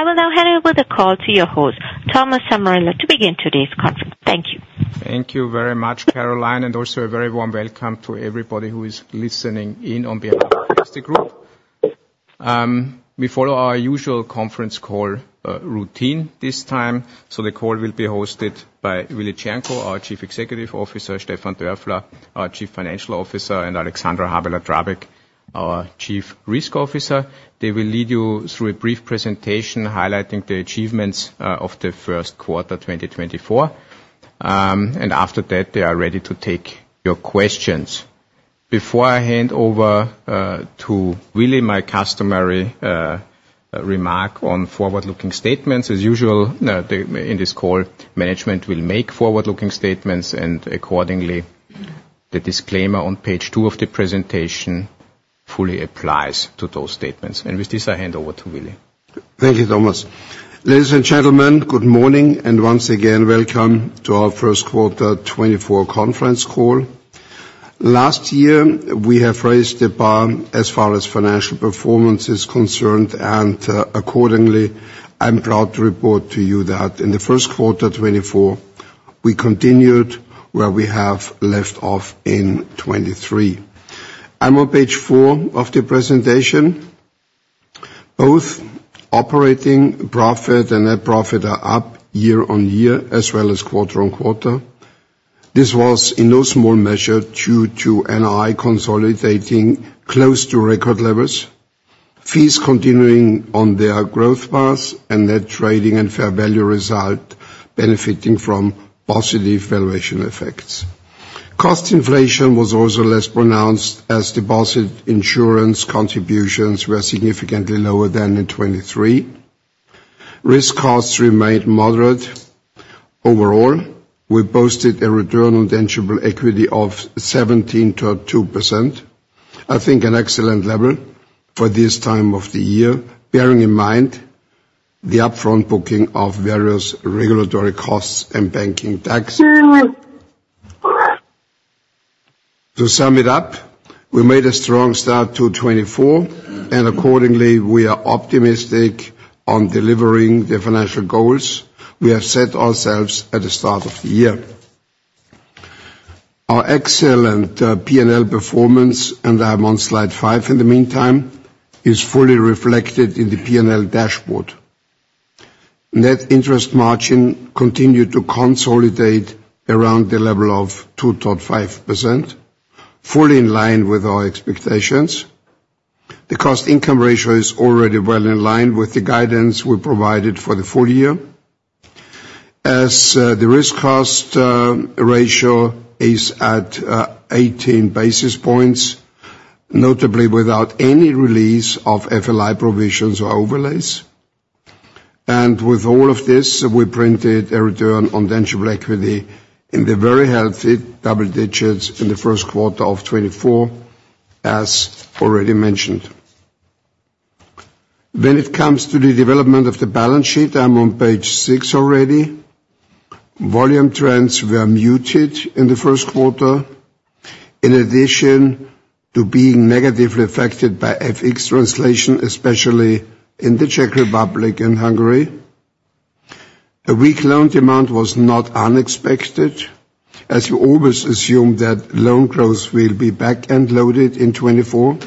I will now hand over the call to your host, Thomas Sommerauer, to begin today's conference. Thank you. Thank you very much, Caroline, and also a very warm welcome to everybody who is listening in on behalf of Erste Group. We follow our usual conference call routine this time, so the call will be hosted by Willi Cernko, our Chief Executive Officer; Stefan Dörfler, our Chief Financial Officer; and Alexandra Habeler-Drabek, our Chief Risk Officer. They will lead you through a brief presentation highlighting the achievements of the first quarter 2024, and after that they are ready to take your questions. Before I hand over to Willi, my customary remark on forward-looking statements. As usual, the management in this call will make forward-looking statements, and accordingly the disclaimer on page two of the presentation fully applies to those statements. With this I hand over to Willi. Thank you, Thomas. Ladies and gentlemen, good morning, and once again welcome to our first quarter 2024 conference call. Last year we have raised the bar as far as financial performance is concerned, and, accordingly I'm proud to report to you that in the first quarter 2024 we continued where we have left off in 2023. I'm on page 4 of the presentation. Both operating profit and net profit are up year-on-year as well as quarter-on-quarter. This was in no small measure due to NII consolidating close to record levels, fees continuing on their growth paths, and net trading and fair value result benefiting from positive valuation effects. Cost inflation was also less pronounced as deposit insurance contributions were significantly lower than in 2023. Risk costs remained moderate. Overall we boasted a return on tangible equity of 17.2%, I think an excellent level for this time of the year bearing in mind the upfront booking of various regulatory costs and banking tax. To sum it up, we made a strong start to 2024 and accordingly we are optimistic on delivering the financial goals we have set ourselves at the start of the year. Our excellent P&L performance, and I'm on slide 5 in the meantime, is fully reflected in the P&L dashboard. Net interest margin continued to consolidate around the level of 2.5%, fully in line with our expectations. The cost-income ratio is already well in line with the guidance we provided for the full year. As the risk cost ratio is at 18 basis points, notably without any release of FLI provisions or overlays. With all of this we printed a return on tangible equity in the very healthy double digits in the first quarter of 2024, as already mentioned. When it comes to the development of the balance sheet I'm on page 6 already. Volume trends were muted in the first quarter in addition to being negatively affected by FX translation especially in the Czech Republic and Hungary. A weak loan demand was not unexpected as we always assume that loan growth will be back-end loaded in 2024,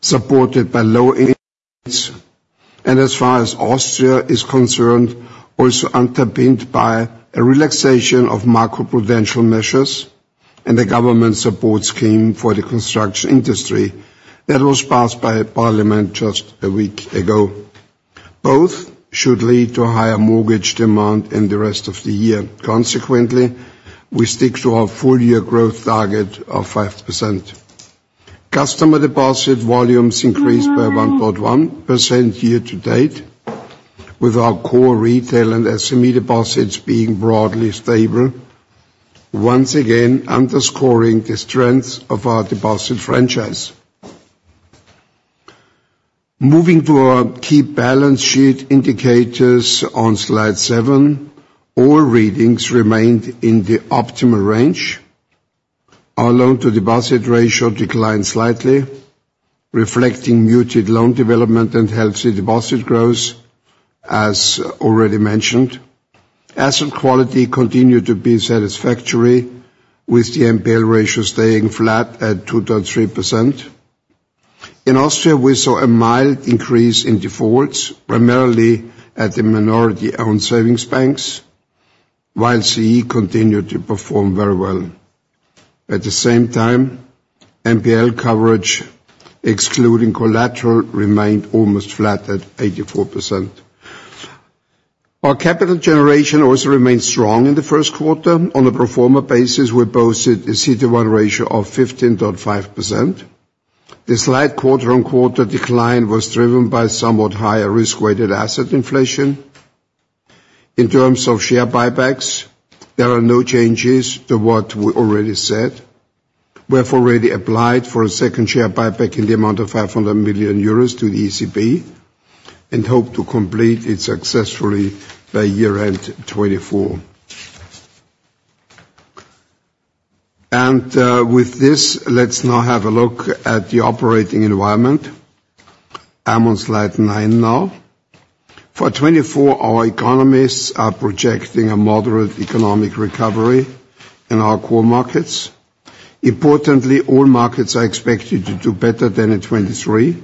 supported by low interest rates, and as far as Austria is concerned also underpinned by a relaxation of macroprudential measures and the government support scheme for the construction industry that was passed by parliament just a week ago. Both should lead to higher mortgage demand in the rest of the year. Consequently we stick to our full year growth target of 5%. Customer deposit volumes increased by 1.1% year to date with our core retail and SME deposits being broadly stable, once again underscoring the strength of our deposit franchise. Moving to our key balance sheet indicators on slide 7, all readings remained in the optimal range. Our loan-to-deposit ratio declined slightly reflecting muted loan development and healthy deposit growth as already mentioned. Asset quality continued to be satisfactory with the NPL ratio staying flat at 2.3%. In Austria we saw a mild increase in defaults primarily at the minority-owned savings banks while CEE continued to perform very well. At the same time NPL coverage excluding collateral remained almost flat at 84%. Our capital generation also remained strong in the first quarter. On a pro forma basis we boasted a CET1 ratio of 15.5%. This slight quarter-on-quarter decline was driven by somewhat higher risk-weighted asset inflation. In terms of share buybacks there are no changes to what we already said. We have already applied for a second share buyback in the amount of 500 million euros to the ECB and hope to complete it successfully by year-end 2024. With this, let's now have a look at the operating environment. I'm on slide 9 now. For 2024 our economists are projecting a moderate economic recovery in our core markets. Importantly all markets are expected to do better than in 2023.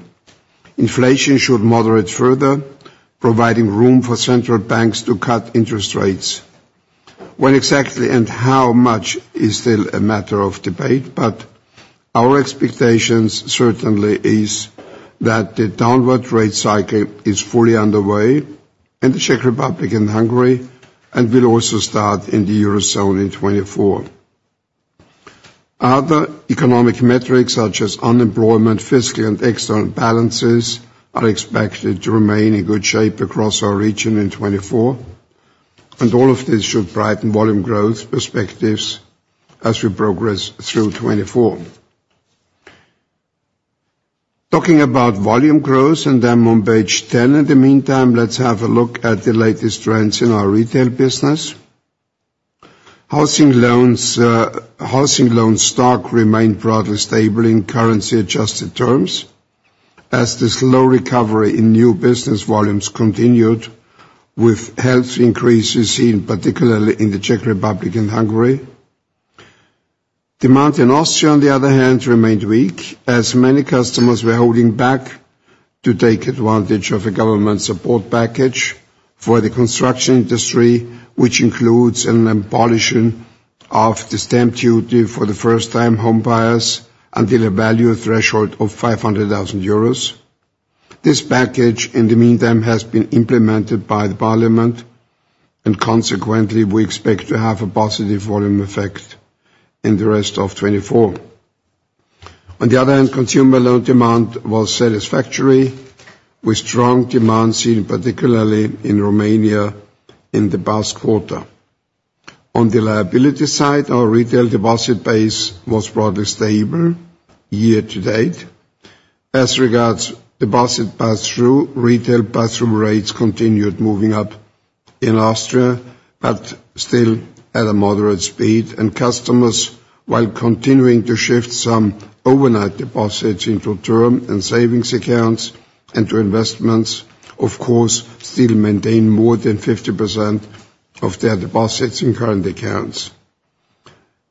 Inflation should moderate further providing room for central banks to cut interest rates. When exactly and how much is still a matter of debate but our expectations certainly is that the downward rate cycle is fully underway in the Czech Republic and Hungary and will also start in the eurozone in 2024. Other economic metrics such as unemployment, fiscal and external balances are expected to remain in good shape across our region in 2024 and all of this should brighten volume growth perspectives as we progress through 2024. Talking about volume growth and I'm on page 10 in the meantime let's have a look at the latest trends in our retail business. Housing loans, housing loan stock remained broadly stable in currency-adjusted terms as this slow recovery in new business volumes continued with healthy increases seen particularly in the Czech Republic and Hungary. Demand in Austria on the other hand remained weak as many customers were holding back to take advantage of a government support package for the construction industry which includes an abolition of the stamp duty for the first time home buyers until a value threshold of 500,000 euros. This package in the meantime has been implemented by the parliament and consequently we expect to have a positive volume effect in the rest of 2024. On the other hand, consumer loan demand was satisfactory with strong demand seen particularly in Romania in the past quarter. On the liability side, our retail deposit base was broadly stable year to date. As regards deposit pass-through, retail pass-through rates continued moving up in Austria but still at a moderate speed and customers, while continuing to shift some overnight deposits into term and savings accounts and to investments, of course still maintain more than 50% of their deposits in current accounts.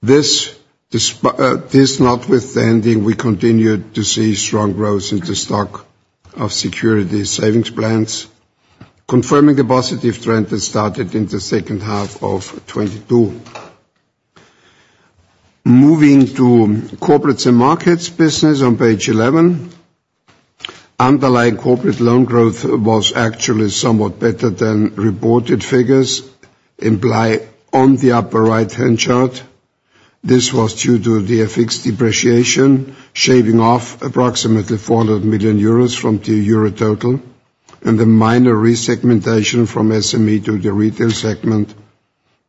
This, despite this notwithstanding, we continued to see strong growth in the stock of securities savings plans confirming the positive trend that started in the second half of 2022. Moving to corporates and markets business on page 11. Underlying corporate loan growth was actually somewhat better than reported figures imply on the upper right-hand chart. This was due to the FX depreciation shaving off approximately 400 million euros from the euro total and the minor resegmentation from SME to the retail segment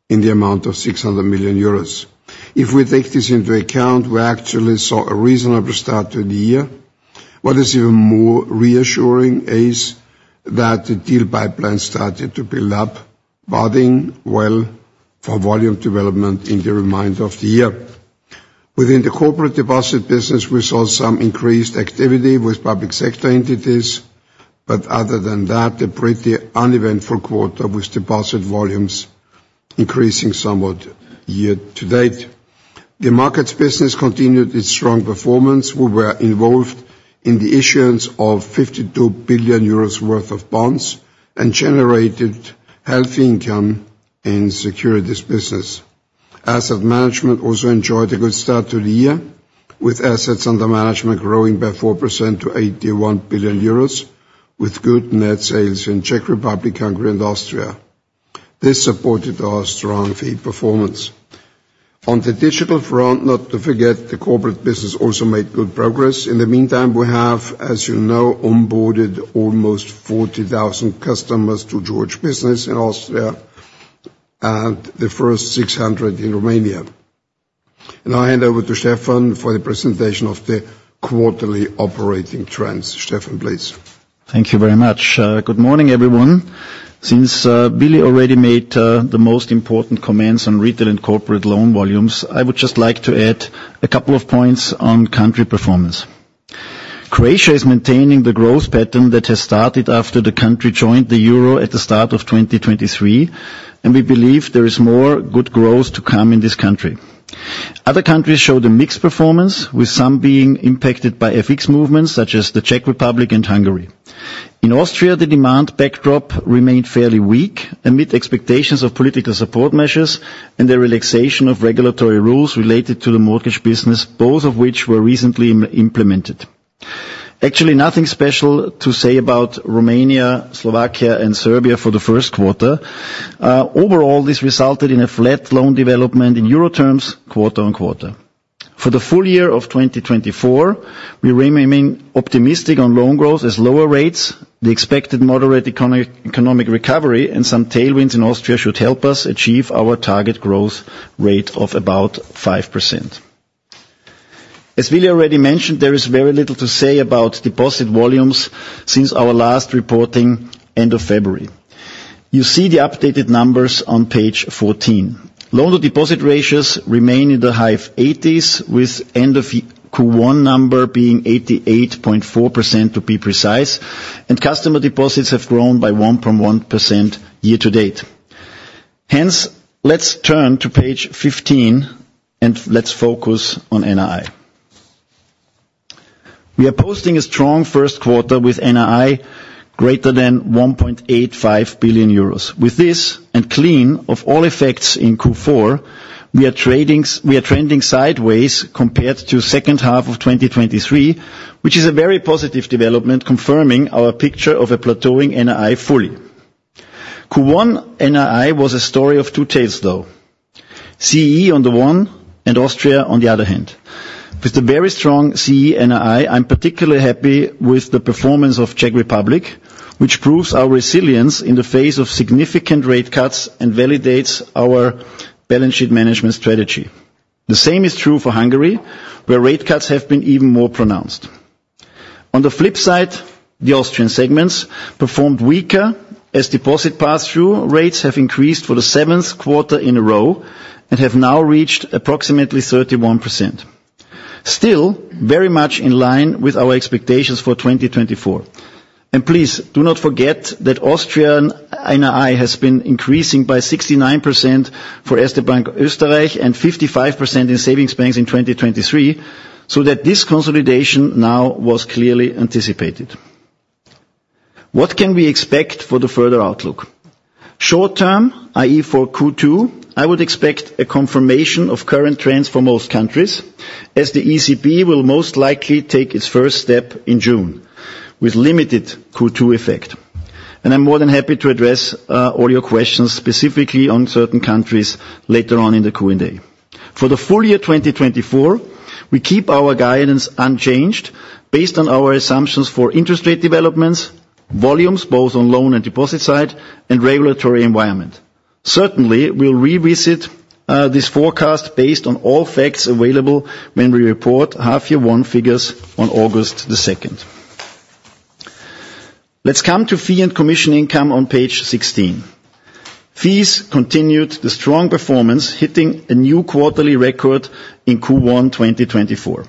in the amount of 600 million euros. If we take this into account we actually saw a reasonable start to the year. What is even more reassuring is that the deal pipeline started to build up building well for volume development in the remainder of the year. Within the corporate deposit business we saw some increased activity with public sector entities but other than that a pretty uneventful quarter with deposit volumes increasing somewhat year to date. The markets business continued its strong performance. We were involved in the issuance of 52 billion euros worth of bonds and generated healthy income in securities business. Asset management also enjoyed a good start to the year with assets under management growing by 4% to 81 billion euros with good net sales in Czech Republic, Hungary, and Austria. This supported our strong fee performance. On the digital front, not to forget, the corporate business also made good progress. In the meantime we have, as you know, onboarded almost 40,000 customers to George Business in Austria and the first 600 in Romania. And I hand over to Stefan for the presentation of the quarterly operating trends. Stefan, please. Thank you very much. Good morning, everyone. Since Willi already made the most important comments on retail and corporate loan volumes, I would just like to add a couple of points on country performance. Croatia is maintaining the growth pattern that has started after the country joined the euro at the start of 2023, and we believe there is more good growth to come in this country. Other countries showed a mixed performance with some being impacted by FX movements such as the Czech Republic and Hungary. In Austria, the demand backdrop remained fairly weak amid expectations of political support measures and the relaxation of regulatory rules related to the mortgage business, both of which were recently implemented. Actually, nothing special to say about Romania, Slovakia and Serbia for the first quarter. Overall, this resulted in a flat loan development in euro terms quarter-on-quarter. For the full year of 2024 we remain optimistic on loan growth as lower rates, the expected moderate economic recovery and some tailwinds in Austria should help us achieve our target growth rate of about 5%. As Willi already mentioned there is very little to say about deposit volumes since our last reporting end of February. You see the updated numbers on page 14. Loan-to-deposit ratios remain in the high 80s with end-of-year Q1 number being 88.4% to be precise and customer deposits have grown by 1.1% year to date. Hence let's turn to page 15 and let's focus on NII. We are posting a strong first quarter with NII greater than 1.85 billion euros. With this and clean of all effects in Q4 we are trading we are trending sideways compared to second half of 2023 which is a very positive development confirming our picture of a plateauing NII fully. Q1 NII was a story of two tales though. CEE on the one and Austria on the other hand. With the very strong CEE NII I'm particularly happy with the performance of Czech Republic which proves our resilience in the face of significant rate cuts and validates our balance sheet management strategy. The same is true for Hungary where rate cuts have been even more pronounced. On the flip side the Austrian segments performed weaker as deposit pass-through rates have increased for the seventh quarter in a row and have now reached approximately 31%. Still very much in line with our expectations for 2024. Please do not forget that Austrian NII has been increasing by 69% for Erste Bank Österreich and 55% in savings banks in 2023 so that this consolidation now was clearly anticipated. What can we expect for the further outlook? Short-term, i.e., for Q2 I would expect a confirmation of current trends for most countries as the ECB will most likely take its first step in June with limited Q2 effect. I'm more than happy to address all your questions specifically on certain countries later on in the Q&A. For the full year 2024 we keep our guidance unchanged based on our assumptions for interest rate developments, volumes both on loan and deposit side and regulatory environment. Certainly we'll revisit this forecast based on all facts available when we report half-year 1 figures on August 2nd. Let's come to fee and commission income on page 16. Fees continued the strong performance hitting a new quarterly record in Q1 2024.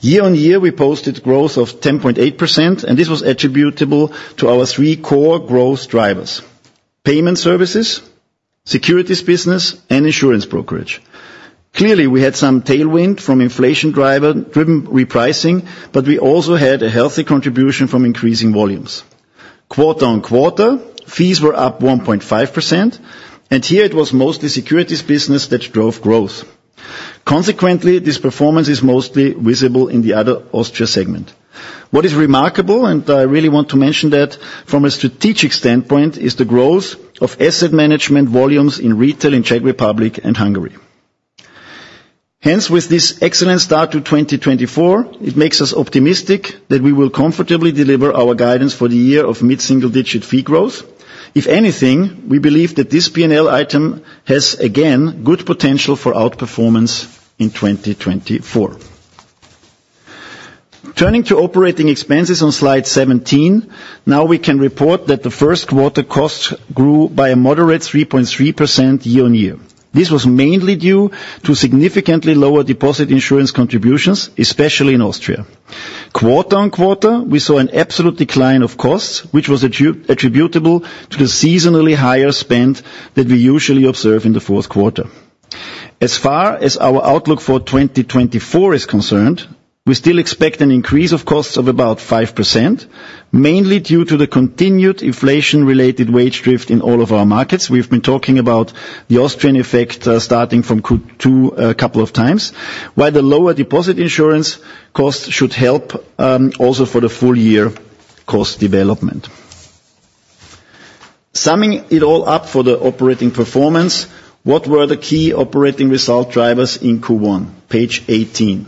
Year-on-year we posted growth of 10.8% and this was attributable to our three core growth drivers: payment services, securities business and insurance brokerage. Clearly we had some tailwind from inflation driver-driven repricing but we also had a healthy contribution from increasing volumes. Quarter-on-quarter fees were up 1.5% and here it was mostly securities business that drove growth. Consequently this performance is mostly visible in the other Austria segment. What is remarkable and I really want to mention that from a strategic standpoint is the growth of asset management volumes in retail in Czech Republic and Hungary. Hence with this excellent start to 2024 it makes us optimistic that we will comfortably deliver our guidance for the year of mid-single digit fee growth. If anything we believe that this P&L item has again good potential for outperformance in 2024. Turning to operating expenses on slide 17. Now we can report that the first quarter costs grew by a moderate 3.3% year-on-year. This was mainly due to significantly lower deposit insurance contributions especially in Austria. Quarter-on-quarter we saw an absolute decline of costs which was attributable to the seasonally higher spend that we usually observe in the fourth quarter. As far as our outlook for 2024 is concerned we still expect an increase of costs of about 5% mainly due to the continued inflation-related wage drift in all of our markets. We have been talking about the Austrian effect, starting from Q2, a couple of times while the lower deposit insurance costs should help, also for the full year cost development. Summing it all up for the operating performance, what were the key operating result drivers in Q1? Page 18.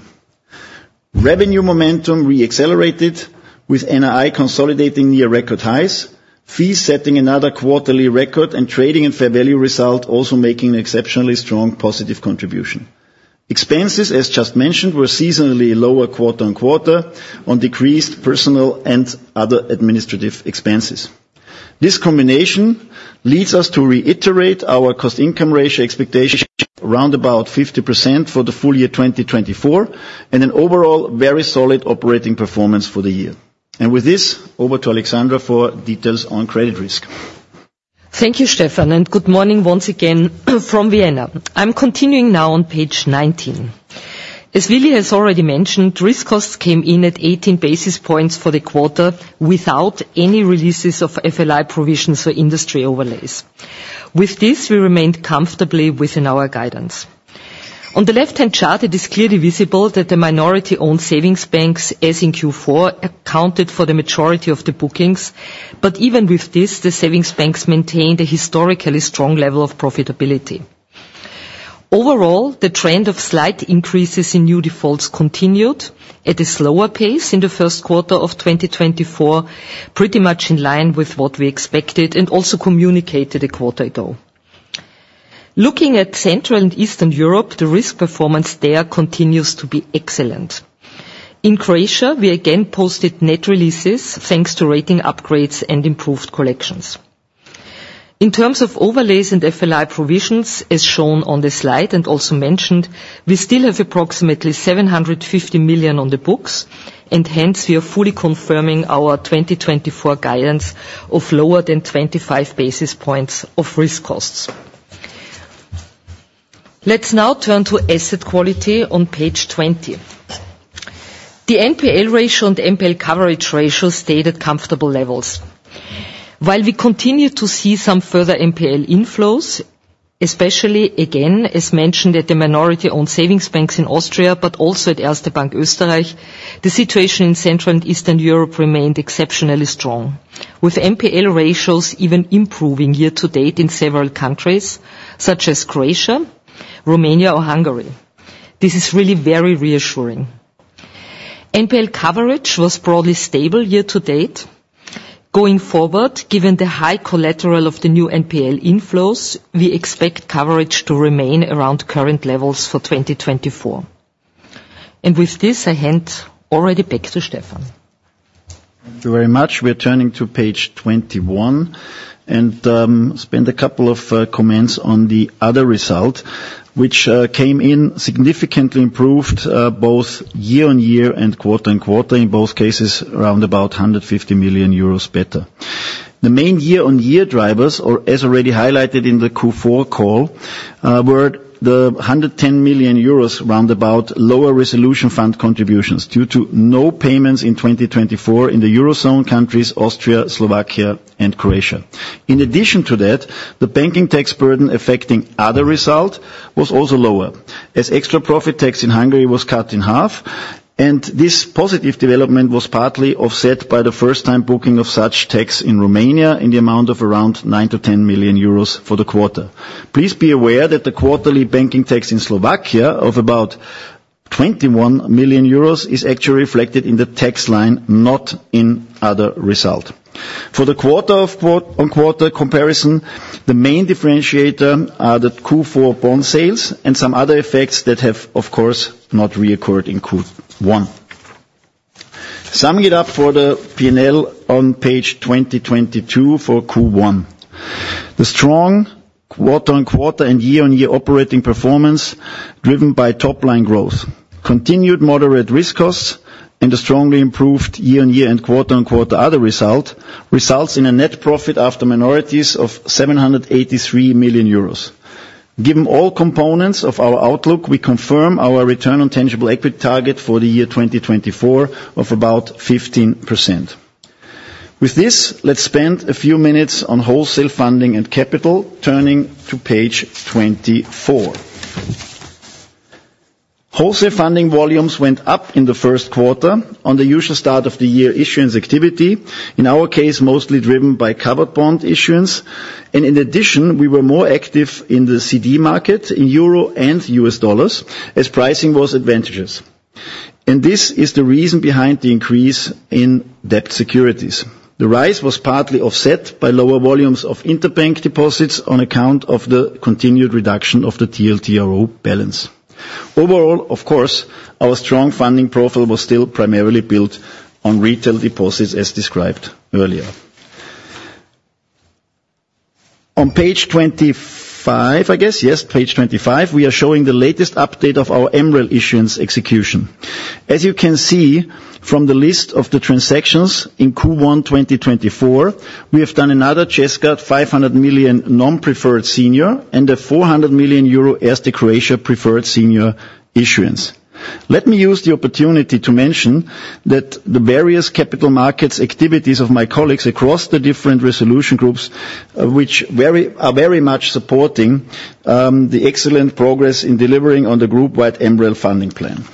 Revenue momentum reaccelerated with NRI consolidating near record highs. Fees setting another quarterly record and trading and fair value result also making an exceptionally strong positive contribution. Expenses, as just mentioned, were seasonally lower quarter-on-quarter on decreased personal and other administrative expenses. This combination leads us to reiterate our cost-income ratio expectation around about 50% for the full year 2024 and an overall very solid operating performance for the year. And with this over to Alexandra for details on credit risk. Thank you, Stefan, and good morning once again from Vienna. I'm continuing now on page 19. As Willi has already mentioned, risk costs came in at 18 basis points for the quarter without any releases of FLI provisions or sector overlays. With this, we remained comfortably within our guidance. On the left-hand chart, it is clearly visible that the minority-owned savings banks, as in Q4, accounted for the majority of the bookings, but even with this, the savings banks maintained a historically strong level of profitability. Overall, the trend of slight increases in new defaults continued at a slower pace in the first quarter of 2024, pretty much in line with what we expected and also communicated a quarter ago. Looking at Central and Eastern Europe, the risk performance there continues to be excellent. In Croatia, we again posted net releases thanks to rating upgrades and improved collections. In terms of overlays and FLI provisions as shown on the slide and also mentioned, we still have approximately 750 million on the books and hence we are fully confirming our 2024 guidance of lower than 25 basis points of risk costs. Let's now turn to asset quality on page 20. The NPL ratio and NPL coverage ratio stayed at comfortable levels. While we continue to see some further NPL inflows especially again as mentioned at the minority-owned savings banks in Austria but also at Erste Bank Österreich, the situation in Central and Eastern Europe remained exceptionally strong with NPL ratios even improving year to date in several countries such as Croatia, Romania or Hungary. This is really very reassuring. NPL coverage was broadly stable year to date. Going forward, given the high collateral of the new NPL inflows we expect coverage to remain around current levels for 2024. With this I hand already back to Stefan. Thank you very much. We are turning to page 21 and spend a couple of comments on the other result which came in significantly improved, both year-on-year and quarter-on-quarter in both cases around about 150 million euros better. The main year-on-year drivers or as already highlighted in the Q4 call, were the 110 million euros roundabout lower resolution fund contributions due to no payments in 2024 in the eurozone countries Austria, Slovakia and Croatia. In addition to that the banking tax burden affecting other result was also lower as extra profit tax in Hungary was cut in half and this positive development was partly offset by the first-time booking of such tax in Romania in the amount of around 9-10 million euros for the quarter. Please be aware that the quarterly banking tax in Slovakia of about 21 million euros is actually reflected in the tax line not in other result. For the quarter-on-quarter comparison the main differentiator are the Q4 bond sales and some other effects that have of course not reoccurred in Q1. Summing it up for the P&L on page 2022 for Q1. The strong quarter-on-quarter and year-on-year operating performance driven by top-line growth, continued moderate risk costs and a strongly improved year-on-year and quarter-on-quarter other result results in a net profit after minorities of 783 million euros. Given all components of our outlook, we confirm our return on tangible equity target for the year 2024 of about 15%. With this, let's spend a few minutes on wholesale funding and capital turning to page 24. Wholesale funding volumes went up in the first quarter on the usual start-of-the-year issuance activity. In our case, mostly driven by covered bond issuance and in addition we were more active in the CD market in euro and U.S. dollars as pricing was advantageous. This is the reason behind the increase in debt securities. The rise was partly offset by lower volumes of interbank deposits on account of the continued reduction of the TLTRO balance. Overall of course our strong funding profile was still primarily built on retail deposits as described earlier. On page 25, I guess yes page 25, we are showing the latest update of our MREL issuance execution. As you can see from the list of the transactions in Q1 2024 we have done another €500 million non-preferred senior and a €400 million Erste Croatia preferred senior issuance. Let me use the opportunity to mention that the various capital markets activities of my colleagues across the different resolution groups, which are very much supporting, the excellent progress in delivering on the group-wide MREL funding plan.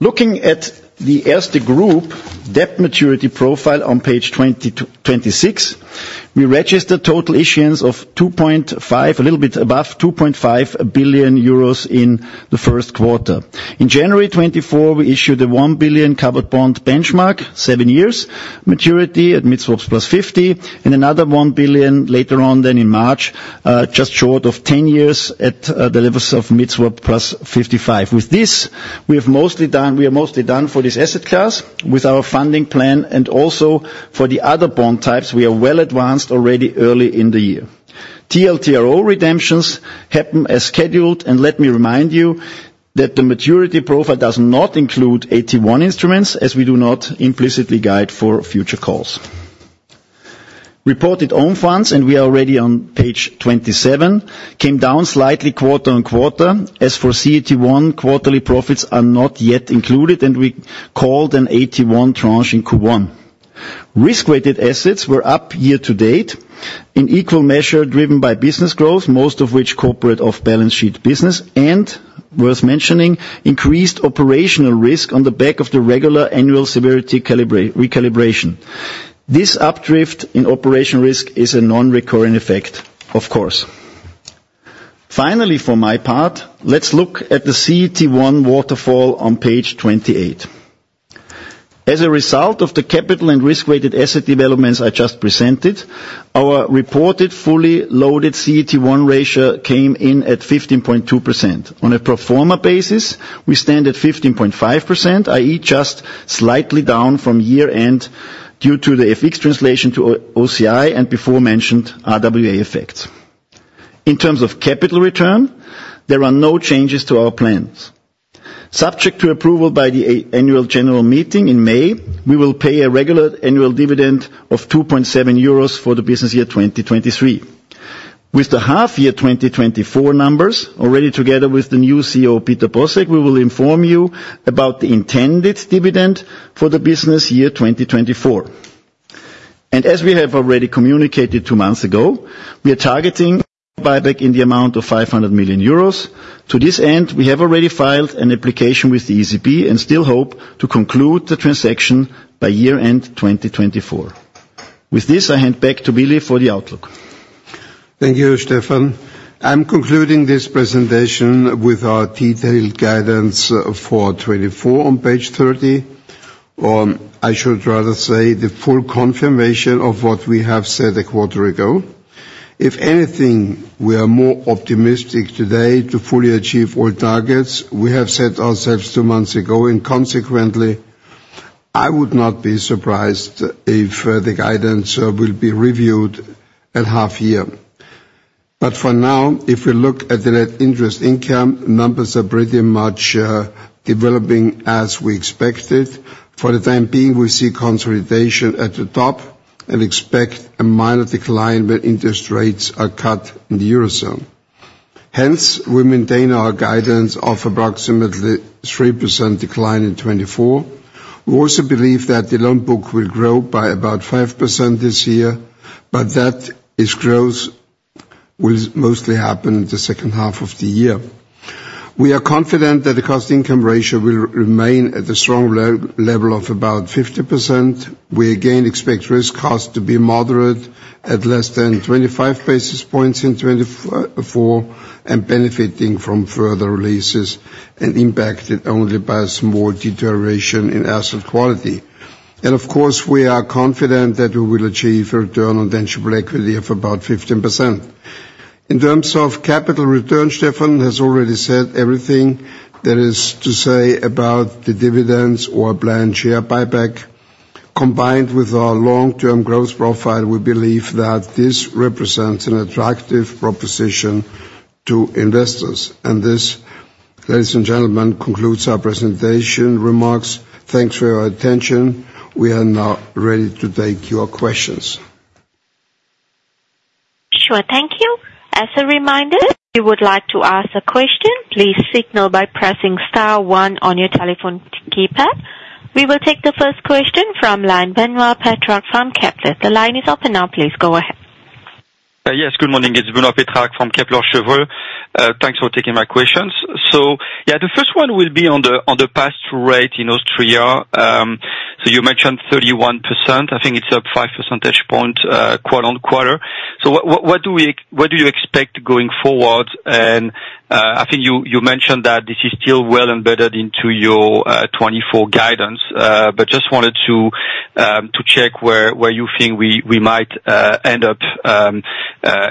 Looking at the Erste Group debt maturity profile on page 26, we registered total issuance of 2.5 billion, a little bit above 2.5 billion euros, in the first quarter. In January 2024, we issued a 1 billion covered bond benchmark, 7 years maturity, at mid-swaps +50 and another 1 billion later on, then in March, just short of 10 years, at the levels of mid-swaps +55. With this, we have mostly done. We are mostly done for this asset class with our funding plan and also for the other bond types. We are well advanced already early in the year. TLTRO redemptions happen as scheduled and let me remind you that the maturity profile does not include AT1 instruments as we do not implicitly guide for future calls. Reported own funds and we are already on page 27 came down slightly quarter-on-quarter as for CET1 quarterly profits are not yet included and we called an AT1 tranche in Q1. Risk-weighted assets were up year-to-date in equal measure driven by business growth most of which corporate off-balance sheet business and worth mentioning increased operational risk on the back of the regular annual severity recalibration. This updrift in operational risk is a non-recurring effect of course. Finally for my part let's look at the CET1 waterfall on page 28. As a result of the capital and risk-weighted asset developments I just presented our reported fully loaded CET1 ratio came in at 15.2%. On a pro forma basis we stand at 15.5% i.e. just slightly down from year-end due to the FX translation to OCI and before-mentioned RWA effects. In terms of capital return there are no changes to our plans. Subject to approval by the annual general meeting in May we will pay a regular annual dividend of 2.7 euros for the business year 2023. With the half-year 2024 numbers already together with the new CEO Peter Bosek we will inform you about the intended dividend for the business year 2024. As we have already communicated two months ago we are targeting buyback in the amount of 500 million euros. To this end we have already filed an application with the ECB and still hope to conclude the transaction by year-end 2024. With this I hand back to Willi for the outlook. Thank you Stefan. I'm concluding this presentation with our detailed guidance for 2024 on page 30 or I should rather say the full confirmation of what we have said a quarter ago. If anything we are more optimistic today to fully achieve all targets we have set ourselves two months ago and consequently I would not be surprised if the guidance will be reviewed at half-year. But for now if we look at the net interest income numbers are pretty much developing as we expected. For the time being we see consolidation at the top and expect a minor decline when interest rates are cut in the eurozone. Hence we maintain our guidance of approximately 3% decline in 2024. We also believe that the loan book will grow by about 5% this year but that is growth will mostly happen in the second half of the year. We are confident that the cost-income ratio will remain at a strong level of about 50%. We again expect risk costs to be moderate at less than 25 basis points in 2024 and benefiting from further releases and impacted only by a small deterioration in asset quality. Of course we are confident that we will achieve a return on tangible equity of about 15%. In terms of capital return Stefan has already said everything there is to say about the dividends or a planned share buyback combined with our long-term growth profile we believe that this represents an attractive proposition to investors. This ladies and gentlemen concludes our presentation remarks. Thanks for your attention. We are now ready to take your questions. Sure, thank you. As a reminder, if you would like to ask a question, please signal by pressing star one on your telephone keypad. We will take the first question from the line of Benoît Pétrarque from Kepler. The line is open now. Please go ahead. Yes, good morning. It's Benoît Pétrarque from Kepler Cheuvreux. Thanks for taking my questions. So yeah, the first one will be on the pass-through rate in Austria. So you mentioned 31%. I think it's up five percentage points, quarter-on-quarter. So what do you expect going forward and, I think you mentioned that this is still well embedded into your 2024 guidance, but just wanted to check where you think we might end up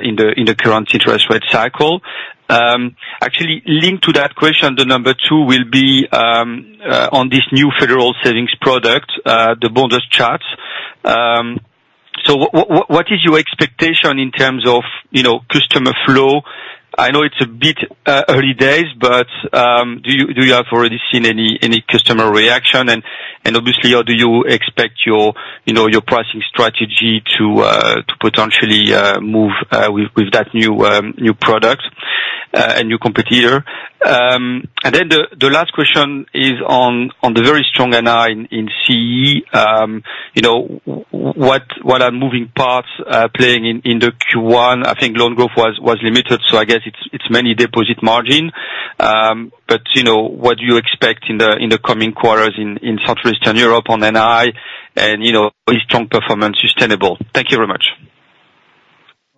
in the current interest rate cycle. Actually linked to that question, the number two will be on this new federal savings product, the Bundesschatz. So what is your expectation in terms of, you know, customer flow? I know it's a bit early days but do you have already seen any customer reaction and obviously how do you expect your you know your pricing strategy to potentially move with that new product and new competitor? And then the last question is on the very strong NI in CE. You know what are moving parts playing in the Q1? I think loan growth was limited so I guess it's many deposit margin. But you know what do you expect in the coming quarters in Central Eastern Europe on NI and you know is strong performance sustainable? Thank you very much.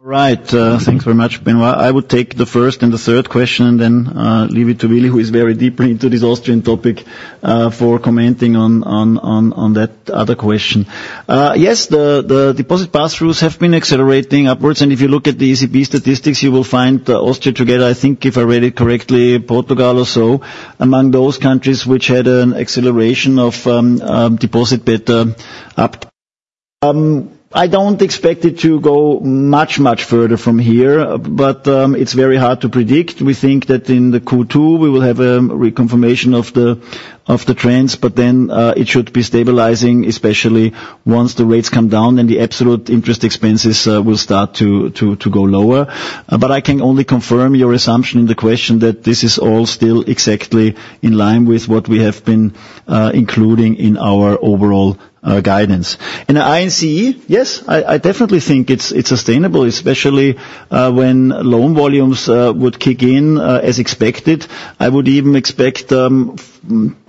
All right. Thanks very much, Benoît. I would take the first and the third question and then leave it to Willi, who is very deeply into this Austrian topic, for commenting on that other question. Yes, the deposit pass-throughs have been accelerating upwards, and if you look at the ECB statistics, you will find Austria together—I think if I read it correctly—Portugal or so among those countries which had an acceleration of deposit beta up. I don't expect it to go much further from here, but it's very hard to predict. We think that in the Q2 we will have a reconfirmation of the trends, but then it should be stabilizing, especially once the rates come down and the absolute interest expenses will start to go lower. But I can only confirm your assumption in the question that this is all still exactly in line with what we have been including in our overall guidance. In the NII, yes, I definitely think it's sustainable, especially when loan volumes would kick in as expected. I would even expect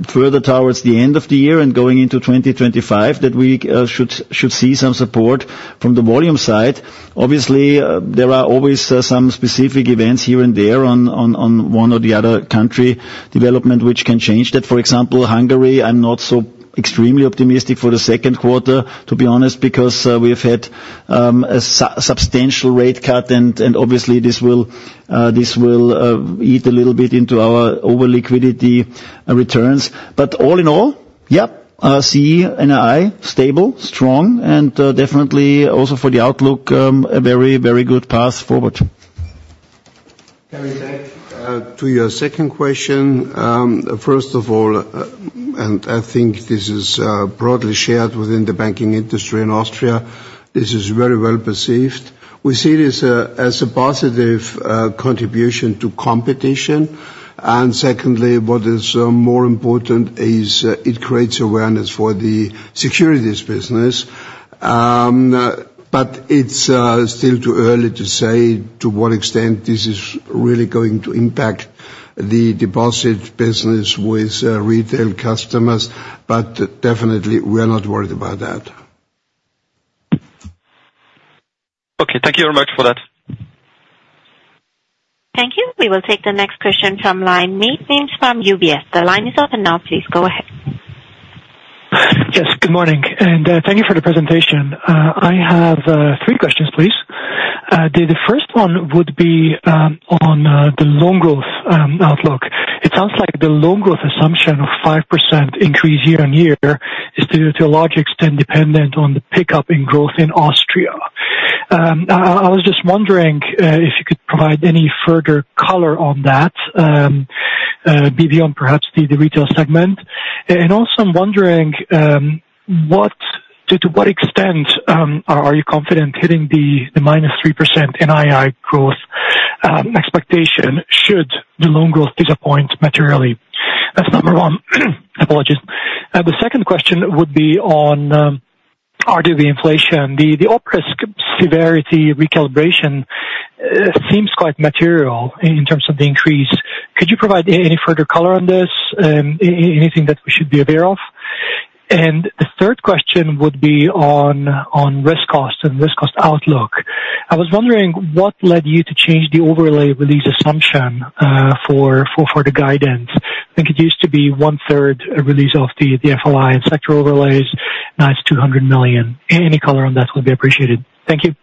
further towards the end of the year and going into 2025 that we should see some support from the volume side. Obviously, there are always some specific events here and there on one or the other country development which can change that. For example, Hungary, I'm not so extremely optimistic for the second quarter, to be honest, because we have had a substantial rate cut and obviously this will eat a little bit into our over-liquidity returns. But all in all, yeah, CET1, NII stable, strong and, definitely also for the outlook, a very very good path forward. Can we take to your second question? First of all, and I think this is broadly shared within the banking industry in Austria. This is very well perceived. We see this as a positive contribution to competition, and secondly, what is more important is it creates awareness for the securities business. But it's still too early to say to what extent this is really going to impact the deposit business with retail customers, but definitely we are not worried about that. Okay, thank you very much for that. Thank you. We will take the next question from Mate Nemes from UBS. The line is open now, please go ahead. Yes, good morning, and thank you for the presentation. I have three questions, please. The first one would be on the loan growth outlook. It sounds like the loan growth assumption of 5% increase year-on-year is to a large extent dependent on the pickup in growth in Austria. I was just wondering if you could provide any further color on that, beyond perhaps the retail segment. And also, I'm wondering to what extent are you confident hitting the -3% NII growth expectation should the loan growth disappoint materially? That's number one. Apologies. The second question would be on RWA inflation. The Op risk severity recalibration seems quite material in terms of the increase. Could you provide any further color on this, anything that we should be aware of? The third question would be on risk cost and risk cost outlook. I was wondering what led you to change the overlay release assumption for the guidance? I think it used to be one-third release of the FLI and sector overlays. Now it's 200 million. Any color on that would be appreciated. Thank you.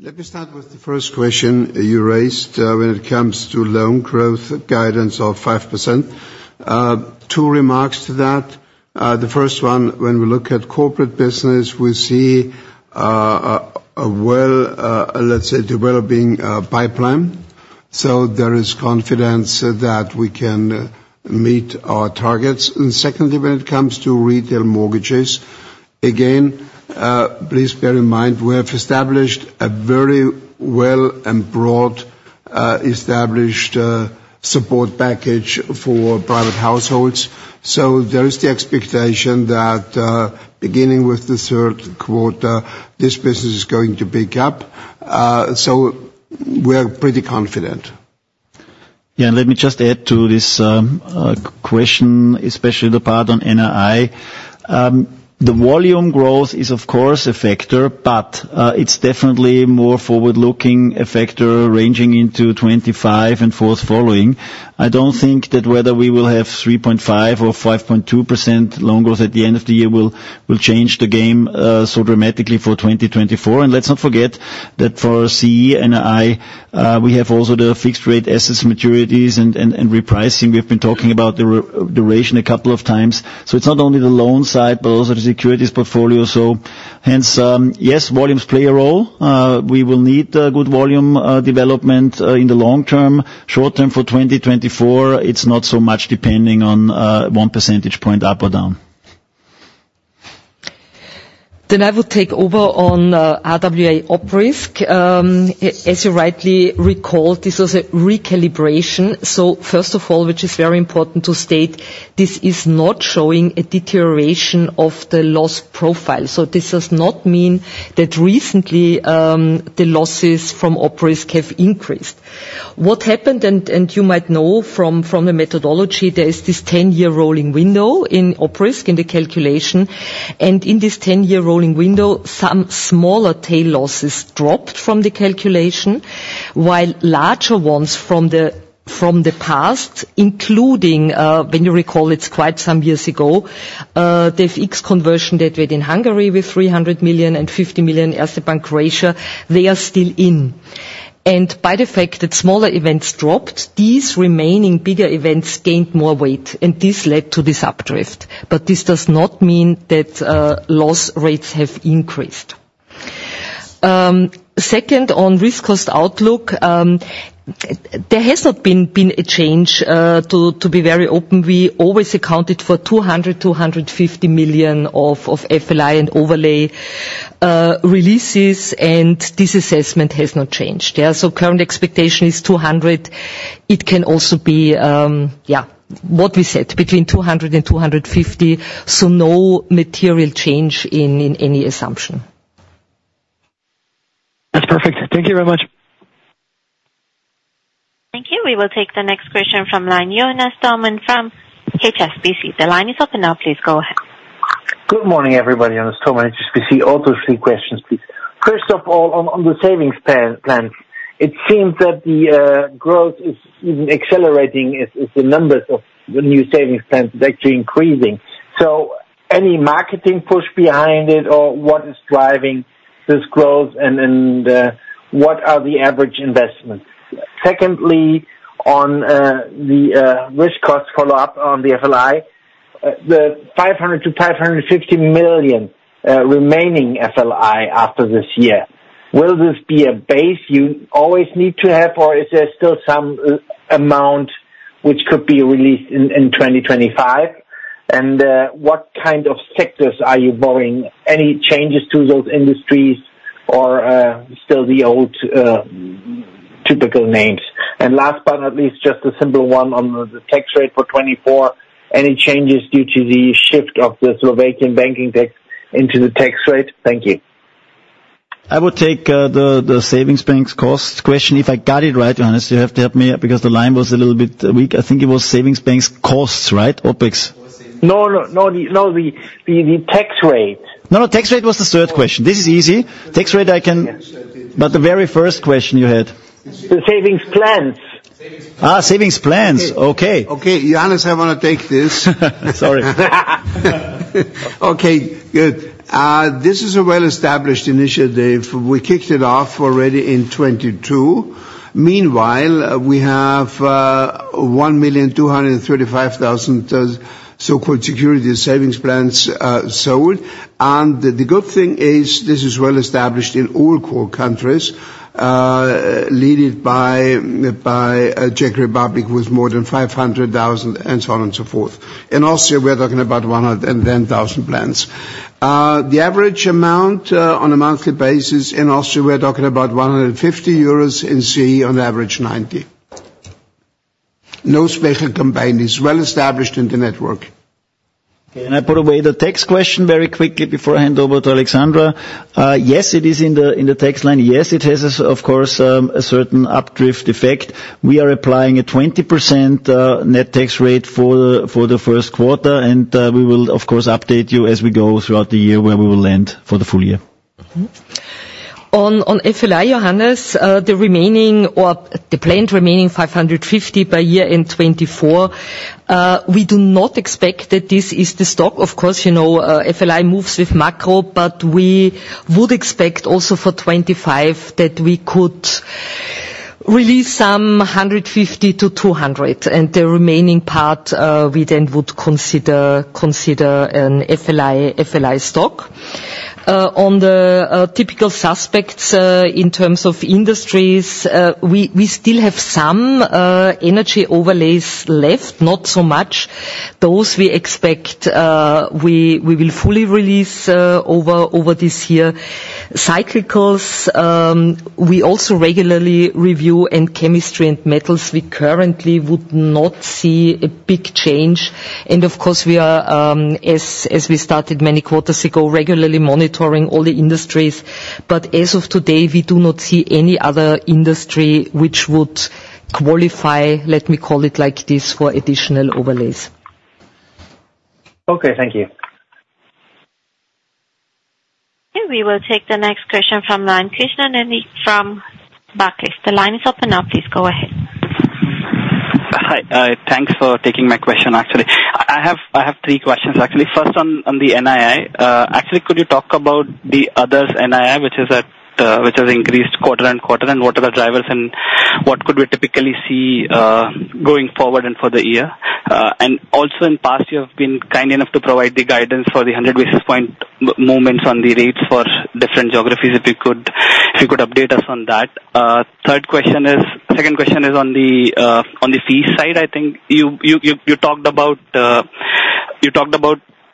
Let me start with the first question you raised, when it comes to loan growth guidance of 5%. Two remarks to that. The first one, when we look at corporate business, we see a well, let's say, developing pipeline. So there is confidence that we can meet our targets. And secondly, when it comes to retail mortgages, again, please bear in mind we have established a very well and broad, established support package for private households. So there is the expectation that, beginning with the third quarter, this business is going to pick up. So we are pretty confident. Yeah, and let me just add to this question, especially the part on NII. The volume growth is, of course, a factor, but it's definitely more forward-looking, a factor ranging into 2025 and following. I don't think that whether we will have 3.5% or 5.2% loan growth at the end of the year will change the game so dramatically for 2024. And let's not forget that for CEE NII, we have also the fixed-rate assets maturities and repricing. We have been talking about the reduration a couple of times. So it's not only the loan side but also the securities portfolio. So hence, yes, volumes play a role. We will need a good volume development in the long term. Short term, for 2024, it's not so much depending on one percentage point up or down. Then I will take over on RWA op risk. As you rightly recall, this was a recalibration. So first of all, which is very important to state, this is not showing a deterioration of the loss profile. So this does not mean that recently, the losses from op risk have increased. What happened and you might know from the methodology there is this ten-year rolling window in op risk in the calculation and in this ten-year rolling window some smaller tail losses dropped from the calculation while larger ones from the past including, when you recall it's quite some years ago, the FX conversion that we had in Hungary with 300 million and 50 million Erste Bank Croatia they are still in. And by the fact that smaller events dropped these remaining bigger events gained more weight and this led to this updrift. But this does not mean that loss rates have increased. Second, on risk cost outlook, there has not been a change, to be very open. We always accounted for 200 million-250 million of FLI and overlay releases and this assessment has not changed. Yeah, so current expectation is 200 million. It can also be, yeah, what we said between 200 million and 250 million, so no material change in any assumption. That's perfect. Thank you very much. Thank you. We will take the next question from Johannes Thormann from HSBC. The line is open now, please go ahead. Good morning everybody. Johannes Thormann, HSBC. Also three questions please. First of all, on the savings plans, it seems that the growth is even accelerating. Is the number of the new savings plans actually increasing? So any marketing push behind it or what is driving this growth and what are the average investments? Secondly, on the risk cost, follow-up on the FLI, the 500 million-550 million remaining FLI after this year: will this be a base you always need to have or is there still some amount which could be released in 2025? And what kind of sectors are you borrowing? Any changes to those industries or still the old typical names? And last but not least, just a simple one on the tax rate for 2024: any changes due to the shift of the Slovakian banking tax into the tax rate? Thank you. I would take the savings banks costs question. If I got it right, Johannes, you have to help me because the line was a little bit weak. I think it was savings banks costs, right? OpEx? No, no, no, the tax rate. No, no, tax rate was the third question. This is easy. Tax rate I can, but the very first question you had. The savings plans. savings plans. Okay. Okay, Johannes, I want to take this. Sorry. Okay, good. This is a well-established initiative. We kicked it off already in 2022. Meanwhile, we have 1,235,000 so-called securities savings plans sold. And the good thing is this is well-established in all core countries, led by the Czech Republic with more than 500,000 and so on and so forth. In Austria we are talking about 110,000 plans. The average amount, on a monthly basis in Austria we are talking about 150 euros in CEE on average 90. No special campaign. It's well-established in the network. Okay, and I put away the tax question very quickly before I hand over to Alexandra. Yes, it is in the tax line. Yes, it has, of course, a certain updrift effect. We are applying a 20% net tax rate for the first quarter, and we will, of course, update you as we go throughout the year where we will land for the full year. On FLI, Johannes, the remaining or the planned remaining 550 million per year in 2024, we do not expect that this is the stock. Of course you know, FLI moves with macro but we would expect also for 2025 that we could release some 150 million-200 million and the remaining part, we then would consider an FLI stock. On the typical suspects, in terms of industries, we still have some energy overlays left, not so much. Those we expect we will fully release over this year. Cyclicals, we also regularly review and chemistry and metals we currently would not see a big change. And of course we are, as we started many quarters ago, regularly monitoring all the industries but as of today we do not see any other industry which would qualify, let me call it like this, for additional overlays. Okay thank you. Okay, we will take the next question from Krishnan from Barclays. The line is open now. Please go ahead. Hi, thanks for taking my question actually. I have three questions actually. First, on the NII, actually could you talk about the other's NII which has increased quarter-on-quarter and what are the drivers and what could we typically see going forward and for the year? And also in past years you have been kind enough to provide the guidance for the 100 basis point movements on the rates for different geographies if you could update us on that. The second question is on the fees side I think. You talked about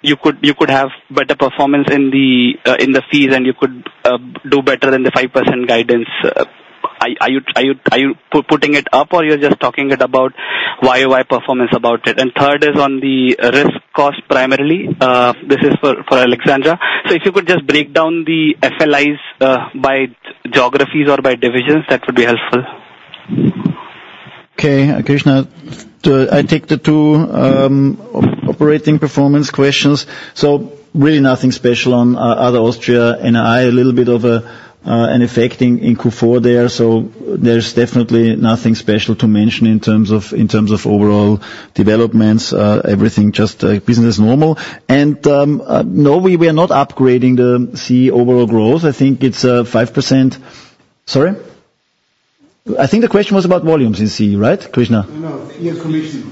you could have better performance in the fees and you could do better than the 5% guidance. Are you putting it up or you're just talking about YOI performance about it? And third is on the risk cost primarily. This is for Alexandra. So if you could just break down the FLIs by geographies or by divisions, that would be helpful. Okay, Krishnan, to—I take the two operating performance questions. So really nothing special on other Austria NII. A little bit of a, an effect in Q4 there, so there's definitely nothing special to mention in terms of overall developments. Everything just business normal. And no, we are not upgrading the CEEoverall growth. I think it's 5% sorry? I think the question was about volumes in CE, right Krishnan? No, no. Fee and commission.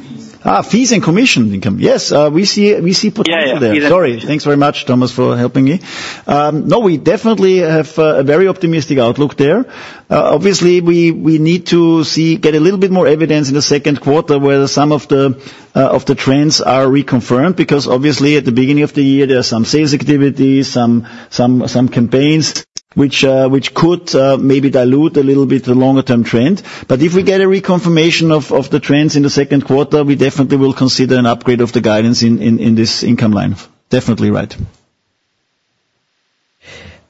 Fees and commission income. Yes, we see potential there. Sorry, thanks very much, Thomas, for helping me. No, we definitely have a very optimistic outlook there. Obviously, we need to get a little bit more evidence in the second quarter where some of the trends are reconfirmed because obviously at the beginning of the year there are some sales activities, some campaigns which could maybe dilute a little bit the longer-term trend. But if we get a reconfirmation of the trends in the second quarter, we definitely will consider an upgrade of the guidance in this income line. Definitely right.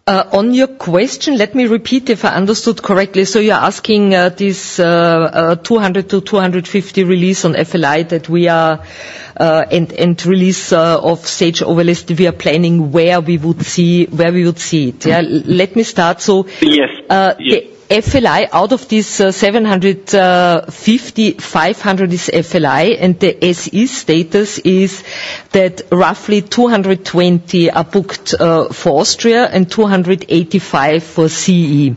On your question, let me repeat if I understood correctly. So you're asking this 200-250 release on FLI that we are and release of sector overlays that we are planning where we would see it. Yeah, let me start so. Yes. The FLI out of this, 700 million, 500 million is FLI and the SE status is that roughly 220 million are booked for Austria and 285 million for CE.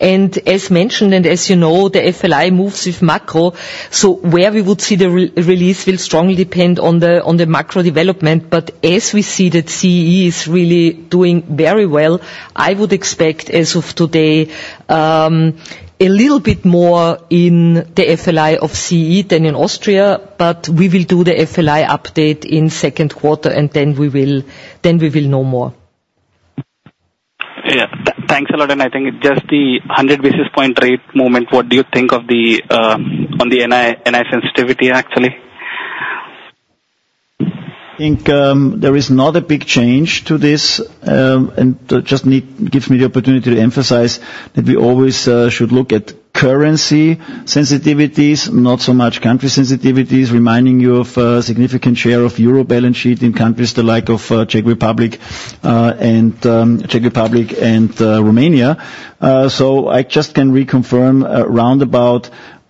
And as mentioned and as you know the FLI moves with macro so where we would see the release will strongly depend on the macro development but as we see that CEE is really doing very well I would expect as of today, a little bit more in the FLI of CEE than in Austria but we will do the FLI update in second quarter and then we will know more. Yeah, thanks a lot, and I think just the 100 basis point rate moment—what do you think of the, on the NII sensitivity actually? I think there is not a big change to this, and just need gives me the opportunity to emphasize that we always should look at currency sensitivities not so much country sensitivities reminding you of a significant share of euro balance sheet in countries the like of Czech Republic and Czech Republic and Romania. So I just can reconfirm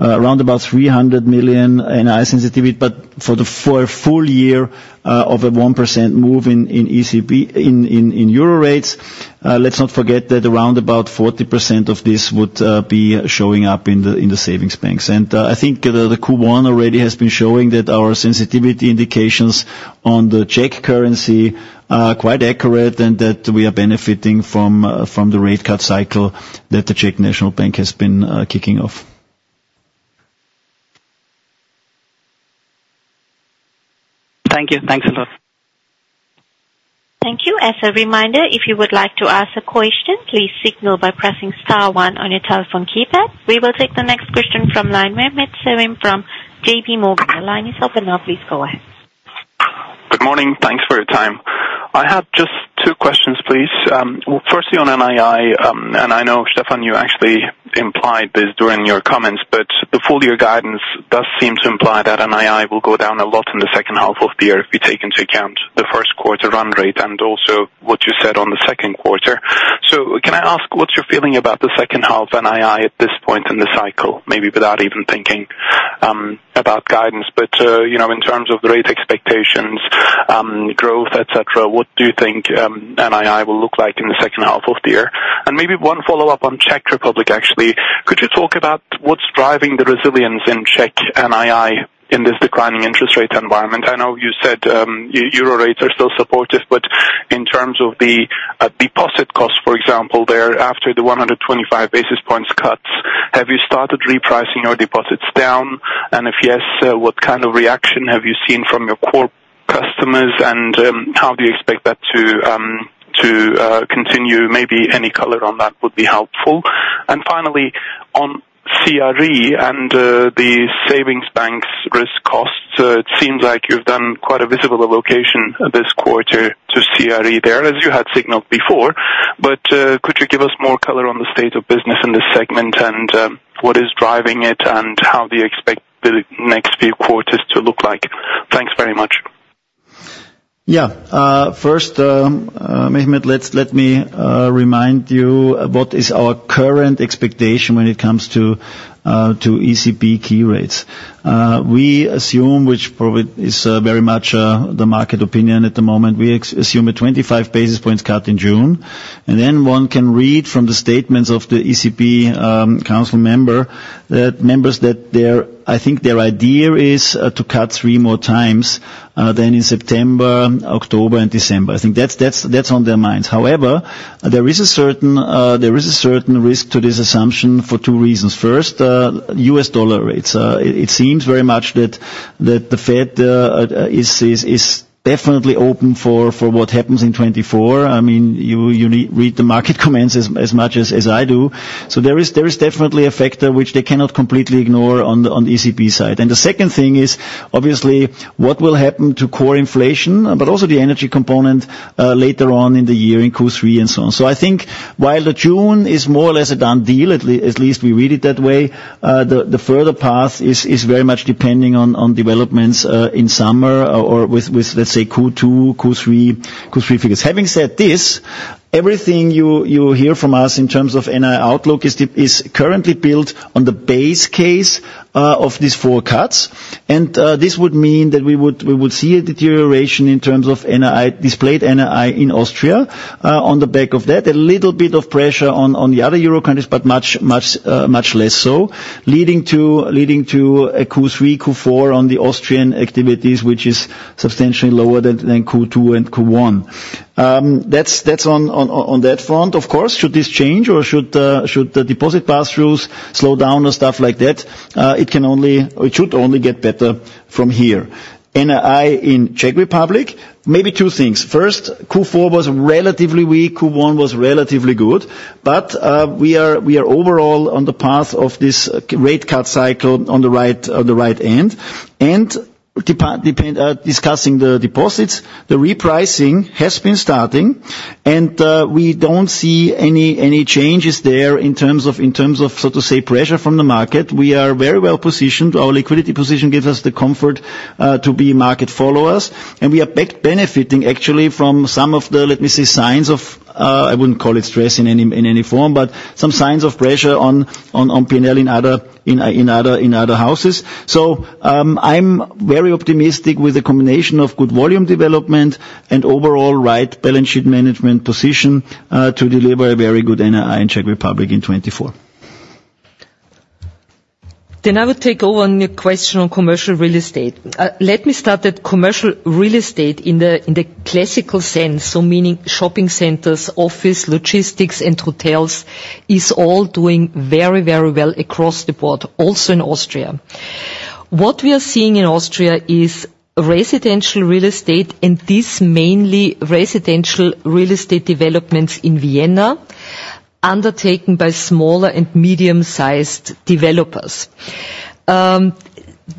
around 300 million NII sensitivity but for a full year of a 1% move in ECB euro rates. Let's not forget that around 40% of this would be showing up in the savings banks. I think the Q1 already has been showing that our sensitivity indications on the Czech currency are quite accurate and that we are benefiting from the rate cut cycle that the Czech National Bank has been kicking off. Thank you. Thanks a lot. Thank you. As a reminder, if you would like to ask a question, please signal by pressing star one on your telephone keypad. We will take the next question from Mehmet Sevim from JP Morgan. The line is open now, please go ahead. Good morning. Thanks for your time. I had just two questions please. Well, firstly on NII, and I know Stefan you actually implied this during your comments but the full year guidance does seem to imply that NII will go down a lot in the second half of the year if we take into account the first quarter run rate and also what you said on the second quarter. So can I ask what's your feeling about the second half NII at this point in the cycle maybe without even thinking about guidance? But you know in terms of the rate expectations, growth, etc., what do you think NII will look like in the second half of the year? And maybe one follow-up on Czech Republic actually. Could you talk about what's driving the resilience in Czech NII in this declining interest rate environment? I know you said euro rates are still supportive, but in terms of the deposit costs, for example, thereafter the 125 basis points cuts, have you started repricing your deposits down? And if yes, what kind of reaction have you seen from your core customers, and how do you expect that to continue? Maybe any color on that would be helpful. And finally on CRE and the savings banks risk costs, it seems like you've done quite a visible allocation this quarter to CRE there as you had signaled before. But could you give us more color on the state of business in this segment, and what is driving it and how do you expect the next few quarters to look like? Thanks very much. Yeah. First, Mehmet, let me remind you what is our current expectation when it comes to ECB key rates. We assume which probably is very much the market opinion at the moment. We assume a 25 basis points cut in June. And then one can read from the statements of the ECB council members that their I think their idea is to cut three more times than in September, October and December. I think that's on their minds. However, there is a certain risk to this assumption for two reasons. First, U.S. dollar rates. It seems very much that the Fed is definitely open for what happens in 2024. I mean you need read the market comments as much as I do. So there is definitely a factor which they cannot completely ignore on the ECB side. And the second thing is obviously what will happen to core inflation but also the energy component, later on in the year in Q3 and so on. So I think while the June is more or less a done deal at least we read it that way, the further path is very much depending on developments, in summer or with let's say Q2, Q3 figures. Having said this, everything you hear from us in terms of NII outlook is currently built on the base case, of these 4 cuts. And this would mean that we would see a deterioration in terms of NII displayed NII in Austria, on the back of that. A little bit of pressure on the other euro countries but much, much less so leading to a Q3, Q4 on the Austrian activities which is substantially lower than Q2 and Q1. That's on that front. Of course, should this change or should the deposit pass-throughs slow down or stuff like that, it can only, it should only get better from here. NII in Czech Republic, maybe two things. First, Q4 was relatively weak. Q1 was relatively good. But we are overall on the path of this rate cut cycle on the right end. And depending, discussing the deposits, the repricing has been starting and we don't see any changes there in terms of so to say pressure from the market. We are very well positioned. Our liquidity position gives us the comfort to be market followers. And we are back benefiting actually from some of the let me say signs of, I wouldn't call it stress in any form but some signs of pressure on P&L in other houses. So, I'm very optimistic with a combination of good volume development and overall right balance sheet management position, to deliver a very good NII in Czech Republic in 2024. Then I would take over on your question on commercial real estate. Let me start at commercial real estate in the classical sense so meaning shopping centers, office, logistics and hotels is all doing very very well across the board also in Austria. What we are seeing in Austria is residential real estate and this mainly residential real estate developments in Vienna undertaken by smaller and medium-sized developers.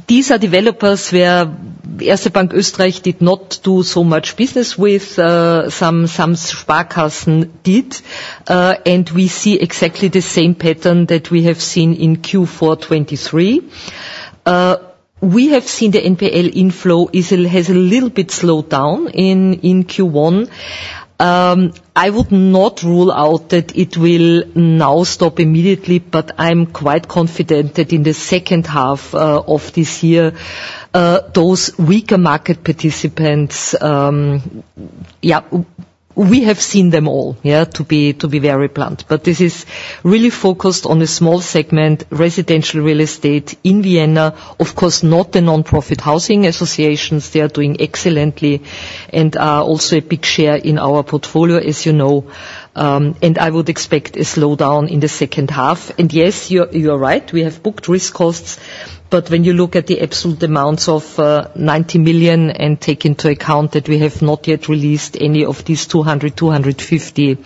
These are developers where Erste Bank Österreich did not do so much business with, some Sparkassen did, and we see exactly the same pattern that we have seen in Q4 2023. We have seen the NPL inflow has a little bit slowed down in Q1. I would not rule out that it will now stop immediately, but I'm quite confident that in the second half of this year, those weaker market participants, yeah, we have seen them all, yeah, to be very blunt. But this is really focused on a small segment, residential real estate in Vienna. Of course not the non-profit housing associations. They are doing excellently and are also a big share in our portfolio as you know. I would expect a slowdown in the second half. Yes, you're right. We have booked risk costs, but when you look at the absolute amounts of 90 million and take into account that we have not yet released any of these 200-250 million,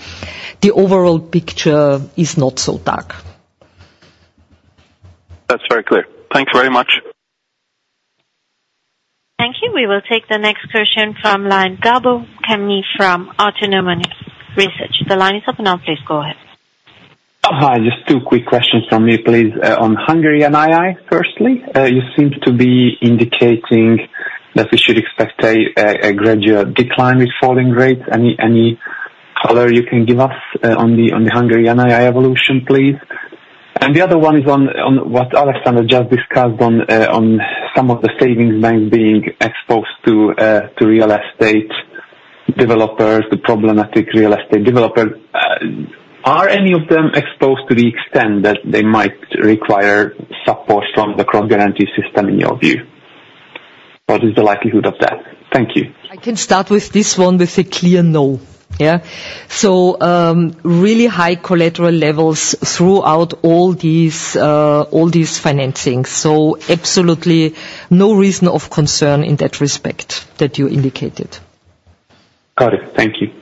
the overall picture is not so dark. That's very clear. Thanks very much. Thank you. We will take the next question from Gabor Kemeny. Coming from Autonomous Research. The line is open now, please go ahead. Hi. Just two quick questions from me please. On Hungary NII firstly, you seem to be indicating that we should expect a gradual decline with falling rates. Any color you can give us on the Hungary NII evolution please? And the other one is on what Alexandra just discussed on some of the savings banks being exposed to real estate developers, the problematic real estate developers. Are any of them exposed to the extent that they might require support from the cross-guarantee system in your view? What is the likelihood of that? Thank you. I can start with this one with a clear no. Yeah? So, really high collateral levels throughout all these, all these financings. So absolutely no reason of concern in that respect that you indicated. Got it. Thank you.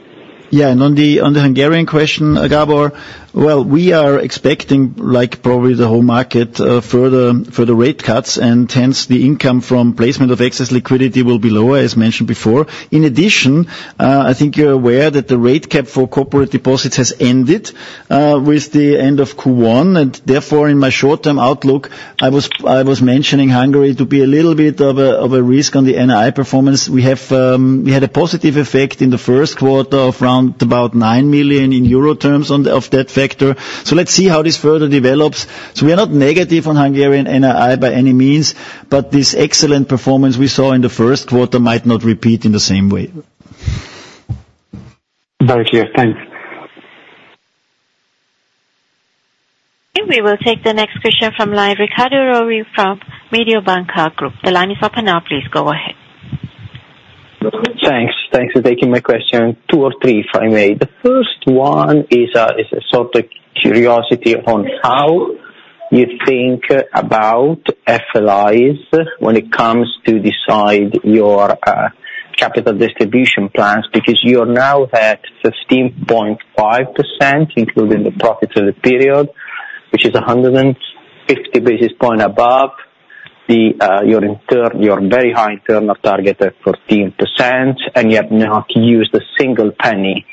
Yeah. And on the Hungarian question, Gabor, well, we are expecting, like probably the whole market, further rate cuts and hence the income from placement of excess liquidity will be lower as mentioned before. In addition, I think you're aware that the rate cap for corporate deposits has ended, with the end of Q1 and therefore in my short-term outlook I was mentioning Hungary to be a little bit of a risk on the NII performance. We had a positive effect in the first quarter of around about 9 million euro on that factor. So let's see how this further develops. So we are not negative on Hungarian NII by any means but this excellent performance we saw in the first quarter might not repeat in the same way. Very clear. Thanks. We will take the next question from the line Riccardo Rovere from Mediobanca. The line is open now, please go ahead. Thanks. Thanks for taking my question. Two or three if I may. The first one is a sort of curiosity on how you think about FLIs when it comes to decide your capital distribution plans because you are now at 15.5% including the profit for the period which is 150 basis point above the your internal your very high internal target at 14% and you have not used a single penny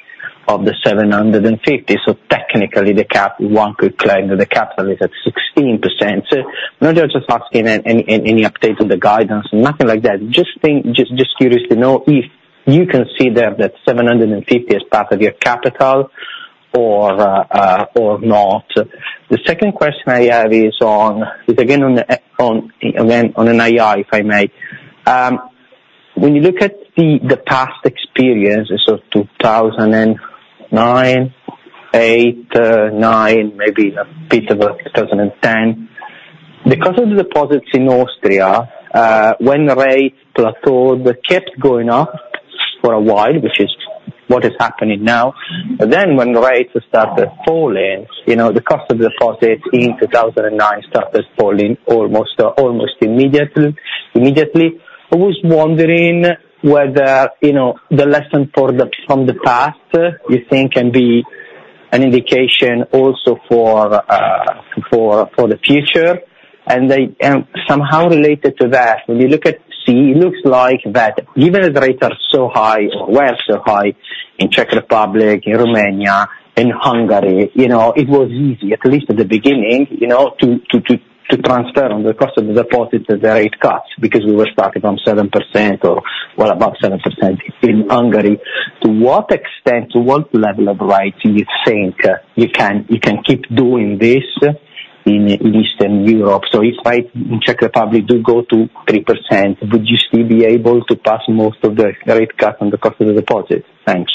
of the 750. So technically one could claim that the capital is at 16%. So I'm not just asking any update on the guidance or nothing like that. Just curious to know if you consider that 750 as part of your capital or not. The second question I have is on NII again if I may. When you look at the past experience so 2008, 2009, maybe a bit of 2010, because of the deposits in Austria, when the rate plateaued kept going up for a while which is what is happening now, but then when the rates started falling, you know, the cost of the deposit in 2009 started falling almost immediately. Immediately. I was wondering whether, you know, the lesson from the past you think can be an indication also for the future? And somehow related to that, when you look at, see, it looks like that given that the rates are so high or were so high in Czech Republic, in Romania, in Hungary, you know, it was easy at least at the beginning, you know, to transfer on the cost of the deposit to the rate cuts because we were starting from 7% or well above 7% in Hungary. To what extent, to what level of rates do you think you can keep doing this in Eastern Europe? So if rate in Czech Republic do go to 3%, would you still be able to pass most of the rate cuts on the cost of the deposit? Thanks.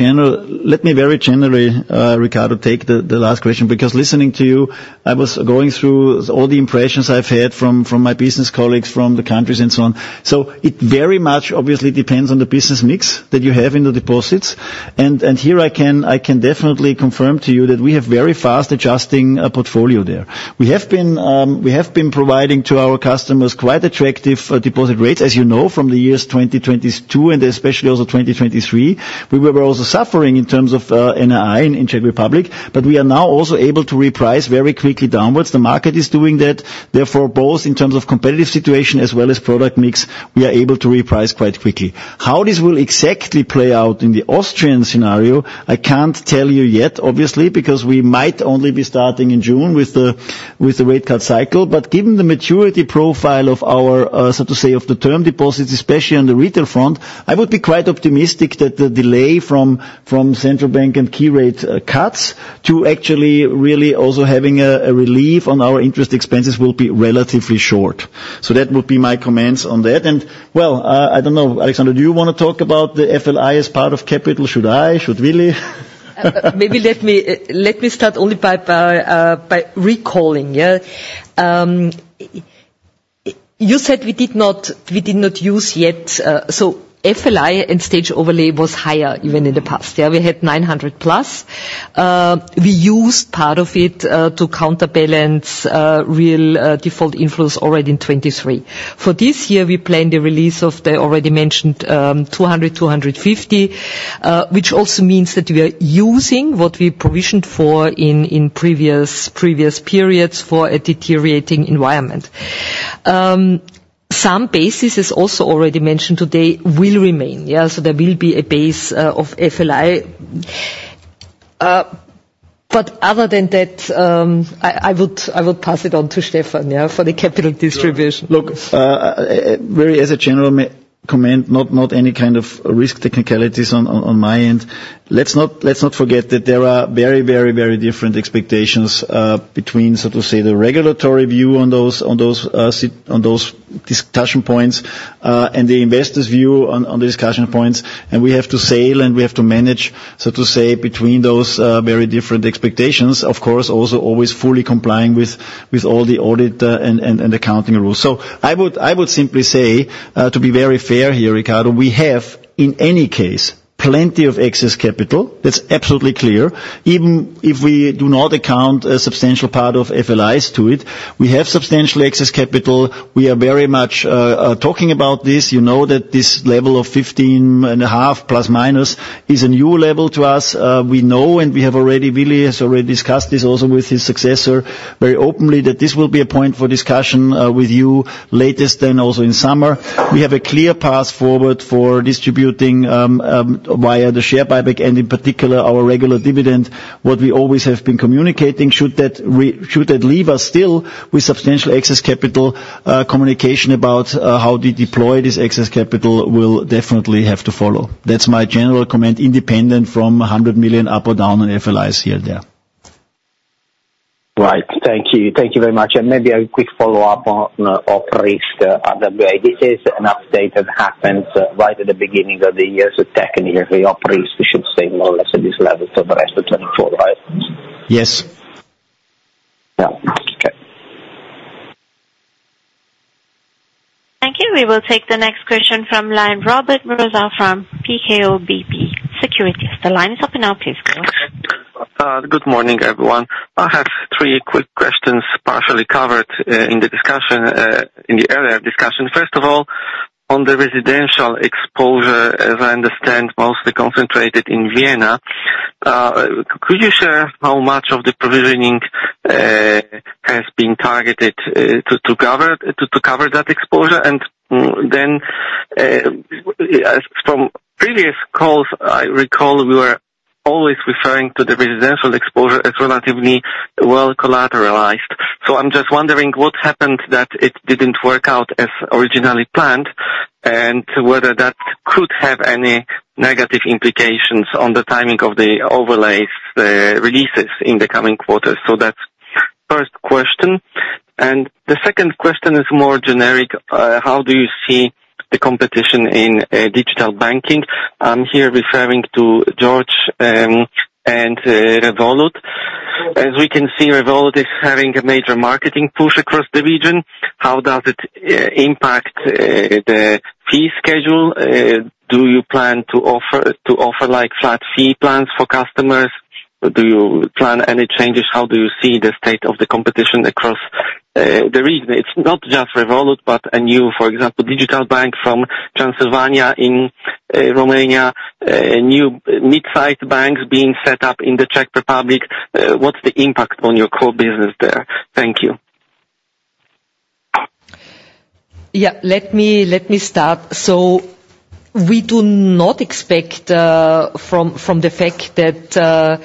Let me very generally, Riccardo, take the last question because listening to you I was going through all the impressions I've had from my business colleagues from the countries and so on. So it very much obviously depends on the business mix that you have in the deposits and here I can definitely confirm to you that we have very fast adjusting a portfolio there. We have been providing to our customers quite attractive deposit rates as you know from the years 2022 and especially also 2023. We were also suffering in terms of NII in Czech Republic but we are now also able to reprice very quickly downwards. The market is doing that. Therefore both in terms of competitive situation as well as product mix we are able to reprice quite quickly. How this will exactly play out in the Austrian scenario I can't tell you yet obviously because we might only be starting in June with the rate cut cycle. But given the maturity profile of our, so to say, of the term deposits especially on the retail front, I would be quite optimistic that the delay from central bank and key rate cuts to actually really also having a relief on our interest expenses will be relatively short. So that would be my comments on that. And well, I don't know Alexandra, do you want to talk about the FLI as part of capital? Should I? Should Willi? Maybe let me start only by recalling, yeah? You said we did not use yet, so FLI and sector overlay was higher even in the past, yeah? We had 900+. We used part of it to counterbalance real default inflows already in 2023. For this year we planned the release of the already mentioned 200-250, which also means that we are using what we provisioned for in previous periods for a deteriorating environment. Some bases as also already mentioned today will remain, yeah? So there will be a base of FLI. But other than that, I would pass it on to Stefan, yeah, for the capital distribution. Look, as a general comment, not any kind of risk technicalities on my end. Let's not forget that there are very very very different expectations between so to say the regulatory view on those, such as those discussion points, and the investor's view on the discussion points. And we have to sail and we have to manage so to say between those very different expectations of course also always fully complying with all the audit and accounting rules. So I would simply say, to be very fair here Ricardo, we have in any case plenty of excess capital. That's absolutely clear. Even if we do not account a substantial part of FLIs to it, we have substantial excess capital. We are very much talking about this. You know that this level of 15.5 ± is a new level to us. We know and we have already Willi has already discussed this also with his successor very openly that this will be a point for discussion, with you latest then also in summer. We have a clear path forward for distributing, via the share buyback and in particular our regular dividend what we always have been communicating. Should that should that leave us still with substantial excess capital, communication about, how to deploy this excess capital will definitely have to follow. That's my general comment independent from 100 million up or down on FLIs here and there. Right. Thank you. Thank you very much. And maybe a quick follow-up on the op risk, RWA. This is an update that happens, right at the beginning of the year so technically the op risk should stay more or less at this level for the rest of 2024, right? Yes. Yeah. Okay. Thank you. We will take the next question from line Robert Marsella from PKO BP Securities. The line is open now. Please go. Good morning everyone. I have three quick questions partially covered in the earlier discussion. First of all, on the residential exposure as I understand mostly concentrated in Vienna, could you share how much of the provisioning has been targeted to cover that exposure? And then, as from previous calls I recall we were always referring to the residential exposure as relatively well collateralized. So I'm just wondering what happened that it didn't work out as originally planned and whether that could have any negative implications on the timing of the overlays releases in the coming quarters. So that's first question. And the second question is more generic, how do you see the competition in digital banking? I'm here referring to George and Revolut. As we can see Revolut is having a major marketing push across the region. How does it impact the fee schedule? Do you plan to offer to offer like flat fee plans for customers? Do you plan any changes? How do you see the state of the competition across the region? It's not just Revolut but a new, for example, digital bank from Transylvania in Romania, new mid-sized banks being set up in the Czech Republic. What's the impact on your core business there? Thank you. Yeah. Let me start. So we do not expect, from the fact that,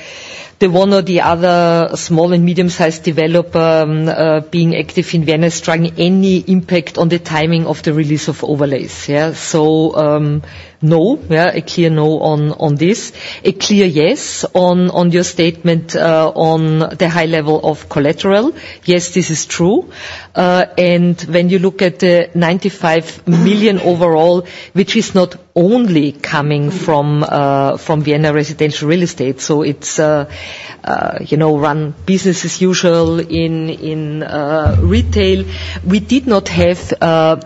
the one or the other small and medium-sized developer, being active in Vienna is trying any impact on the timing of the release of overlays, yeah? So, no, yeah? A clear no on this. A clear yes on your statement, on the high level of collateral. Yes, this is true. And when you look at the 95 million overall which is not only coming from, from Vienna residential real estate so it's, you know, run business as usual in retail. We did not have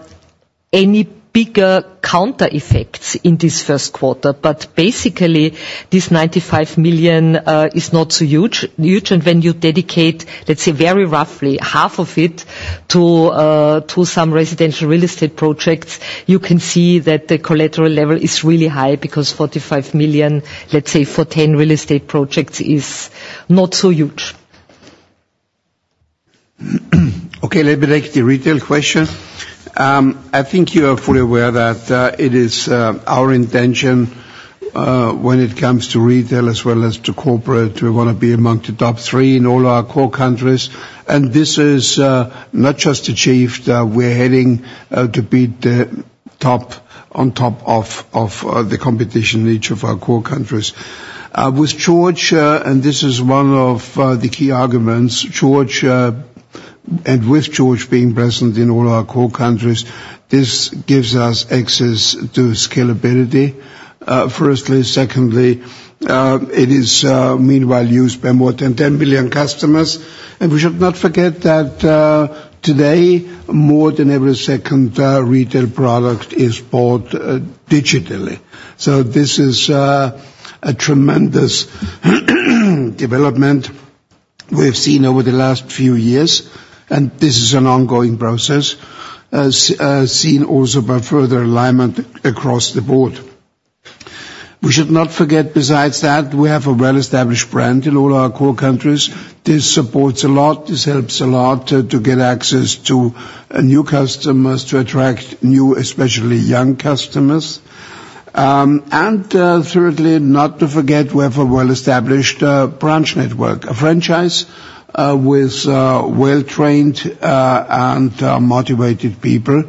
any bigger counter effects in this first quarter but basically this 95 million is not so huge huge and when you dedicate let's say very roughly half of it to some residential real estate projects you can see that the collateral level is really high because 45 million let's say for 10 real estate projects is not so huge. Okay. Let me take the retail question. I think you are fully aware that it is our intention, when it comes to retail as well as to corporate, we want to be among the top three in all our core countries and this is not just achieved, we're heading to beat the top on top of the competition in each of our core countries with George, and this is one of the key arguments, George, and with George being present in all our core countries this gives us access to scalability, firstly. Secondly, it is meanwhile used by more than 10 million customers and we should not forget that today more than every second retail product is bought digitally. So this is a tremendous development we have seen over the last few years and this is an ongoing process as seen also by further alignment across the board. We should not forget besides that we have a well-established brand in all our core countries. This supports a lot. This helps a lot, to get access to new customers to attract new especially young customers. Thirdly, not to forget, we have a well-established branch network, a franchise, with well-trained and motivated people.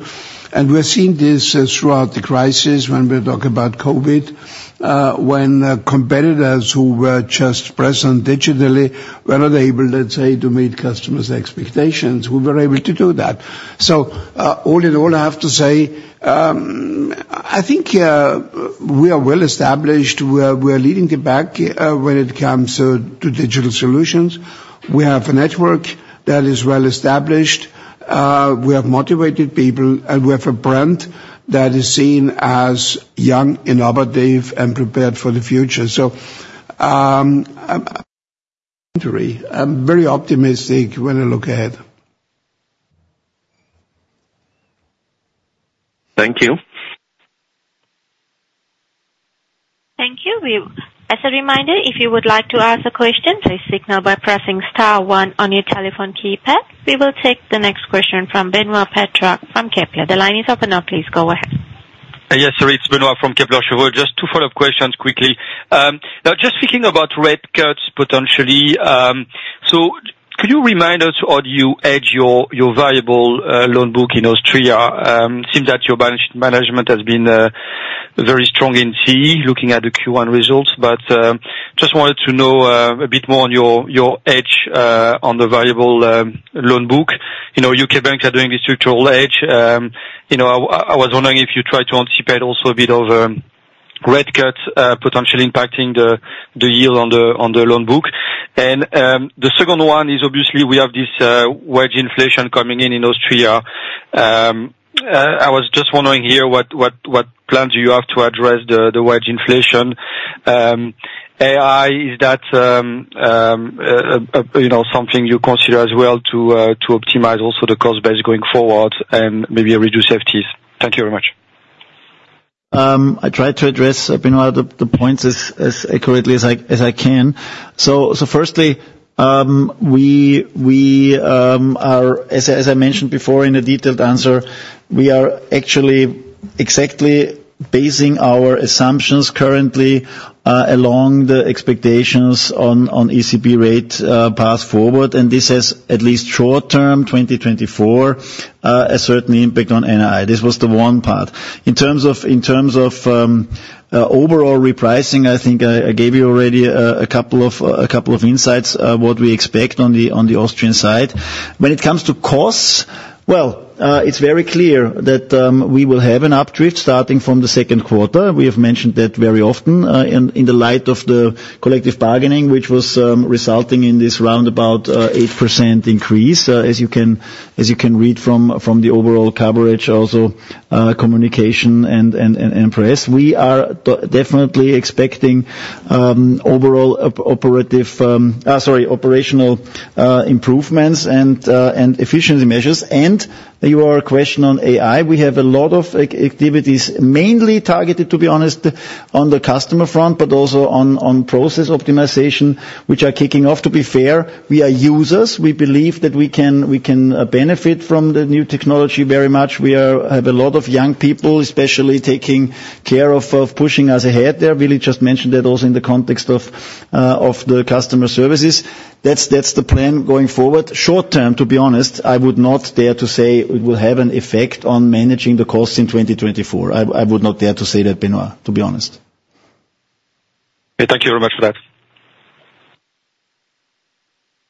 And we have seen this throughout the crisis when we talk about COVID, when competitors who were just present digitally were not able, let's say, to meet customers' expectations. We were able to do that. So, all in all, I have to say, I think, we are well-established. We are leading the pack, when it comes to digital solutions. We have a network that is well-established. We have motivated people and we have a brand that is seen as young, innovative, and prepared for the future. I'm very optimistic when I look ahead. Thank you. Thank you. We, as a reminder, if you would like to ask a question, please signal by pressing star one on your telephone keypad. We will take the next question from Benoît Pétrarque from Kepler Cheuvreux. The line is open now, please go ahead. Yes, sorry, it's Benoît from Kepler Cheuvreux. Just two follow-up questions quickly. Now, just thinking about rate cuts potentially, so could you remind us or do you hedge your valuable loan book in Austria? Seems that your management has been very strong in CEE looking at the Q1 results, but just wanted to know a bit more on your hedge on the valuable loan book. You know, UK banks are doing the structural hedge. You know, I was wondering if you tried to anticipate also a bit of rate cuts potentially impacting the yield on the loan book. And the second one is obviously we have this wage inflation coming in in Austria. I was just wondering here what plans do you have to address the wage inflation? AI is that, you know, something you consider as well to optimize also the cost base going forward and maybe reduce FTEs? Thank you very much. I tried to address Benoît the points as accurately as I can. So firstly, we are, as I mentioned before in the detailed answer, actually exactly basing our assumptions currently along the expectations on ECB rate path forward, and this has at least short term 2024 a certain impact on NII. This was the one part. In terms of overall repricing, I think I gave you already a couple of insights, what we expect on the Austrian side. When it comes to costs, well, it's very clear that we will have an updrift starting from the second quarter. We have mentioned that very often, in the light of the collective bargaining which was resulting in this roundabout 8% increase, as you can read from the overall coverage also, communication and press. We are definitely expecting overall operational improvements and efficiency measures. And your question on AI we have a lot of activities mainly targeted, to be honest, on the customer front but also on process optimization which are kicking off. To be fair we are users. We believe that we can benefit from the new technology very much. We have a lot of young people especially taking care of pushing us ahead there. Willi just mentioned that also in the context of the customer services. That's the plan going forward. Short term, to be honest, I would not dare to say it will have an effect on managing the costs in 2024. I would not dare to say that, Benoit, to be honest. Yeah. Thank you very much for that.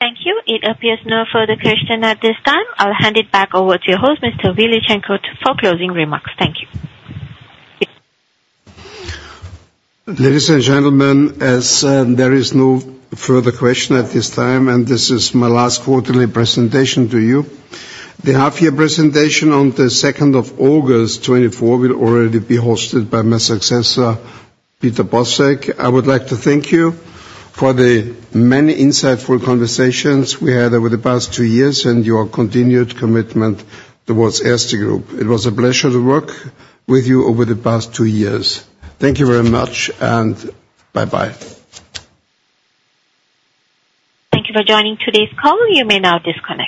Thank you. It appears no further question at this time. I'll hand it back over to your host Mr. Willi Cernko for closing remarks. Thank you. Ladies and gentlemen, as there is no further question at this time and this is my last quarterly presentation to you. The half-year presentation on the 2nd of August 2024 will already be hosted by my successor Peter Bosek. I would like to thank you for the many insightful conversations we had over the past two years and your continued commitment toward Erste Group. It was a pleasure to work with you over the past two years. Thank you very much and bye-bye. Thank you for joining today's call. You may now disconnect.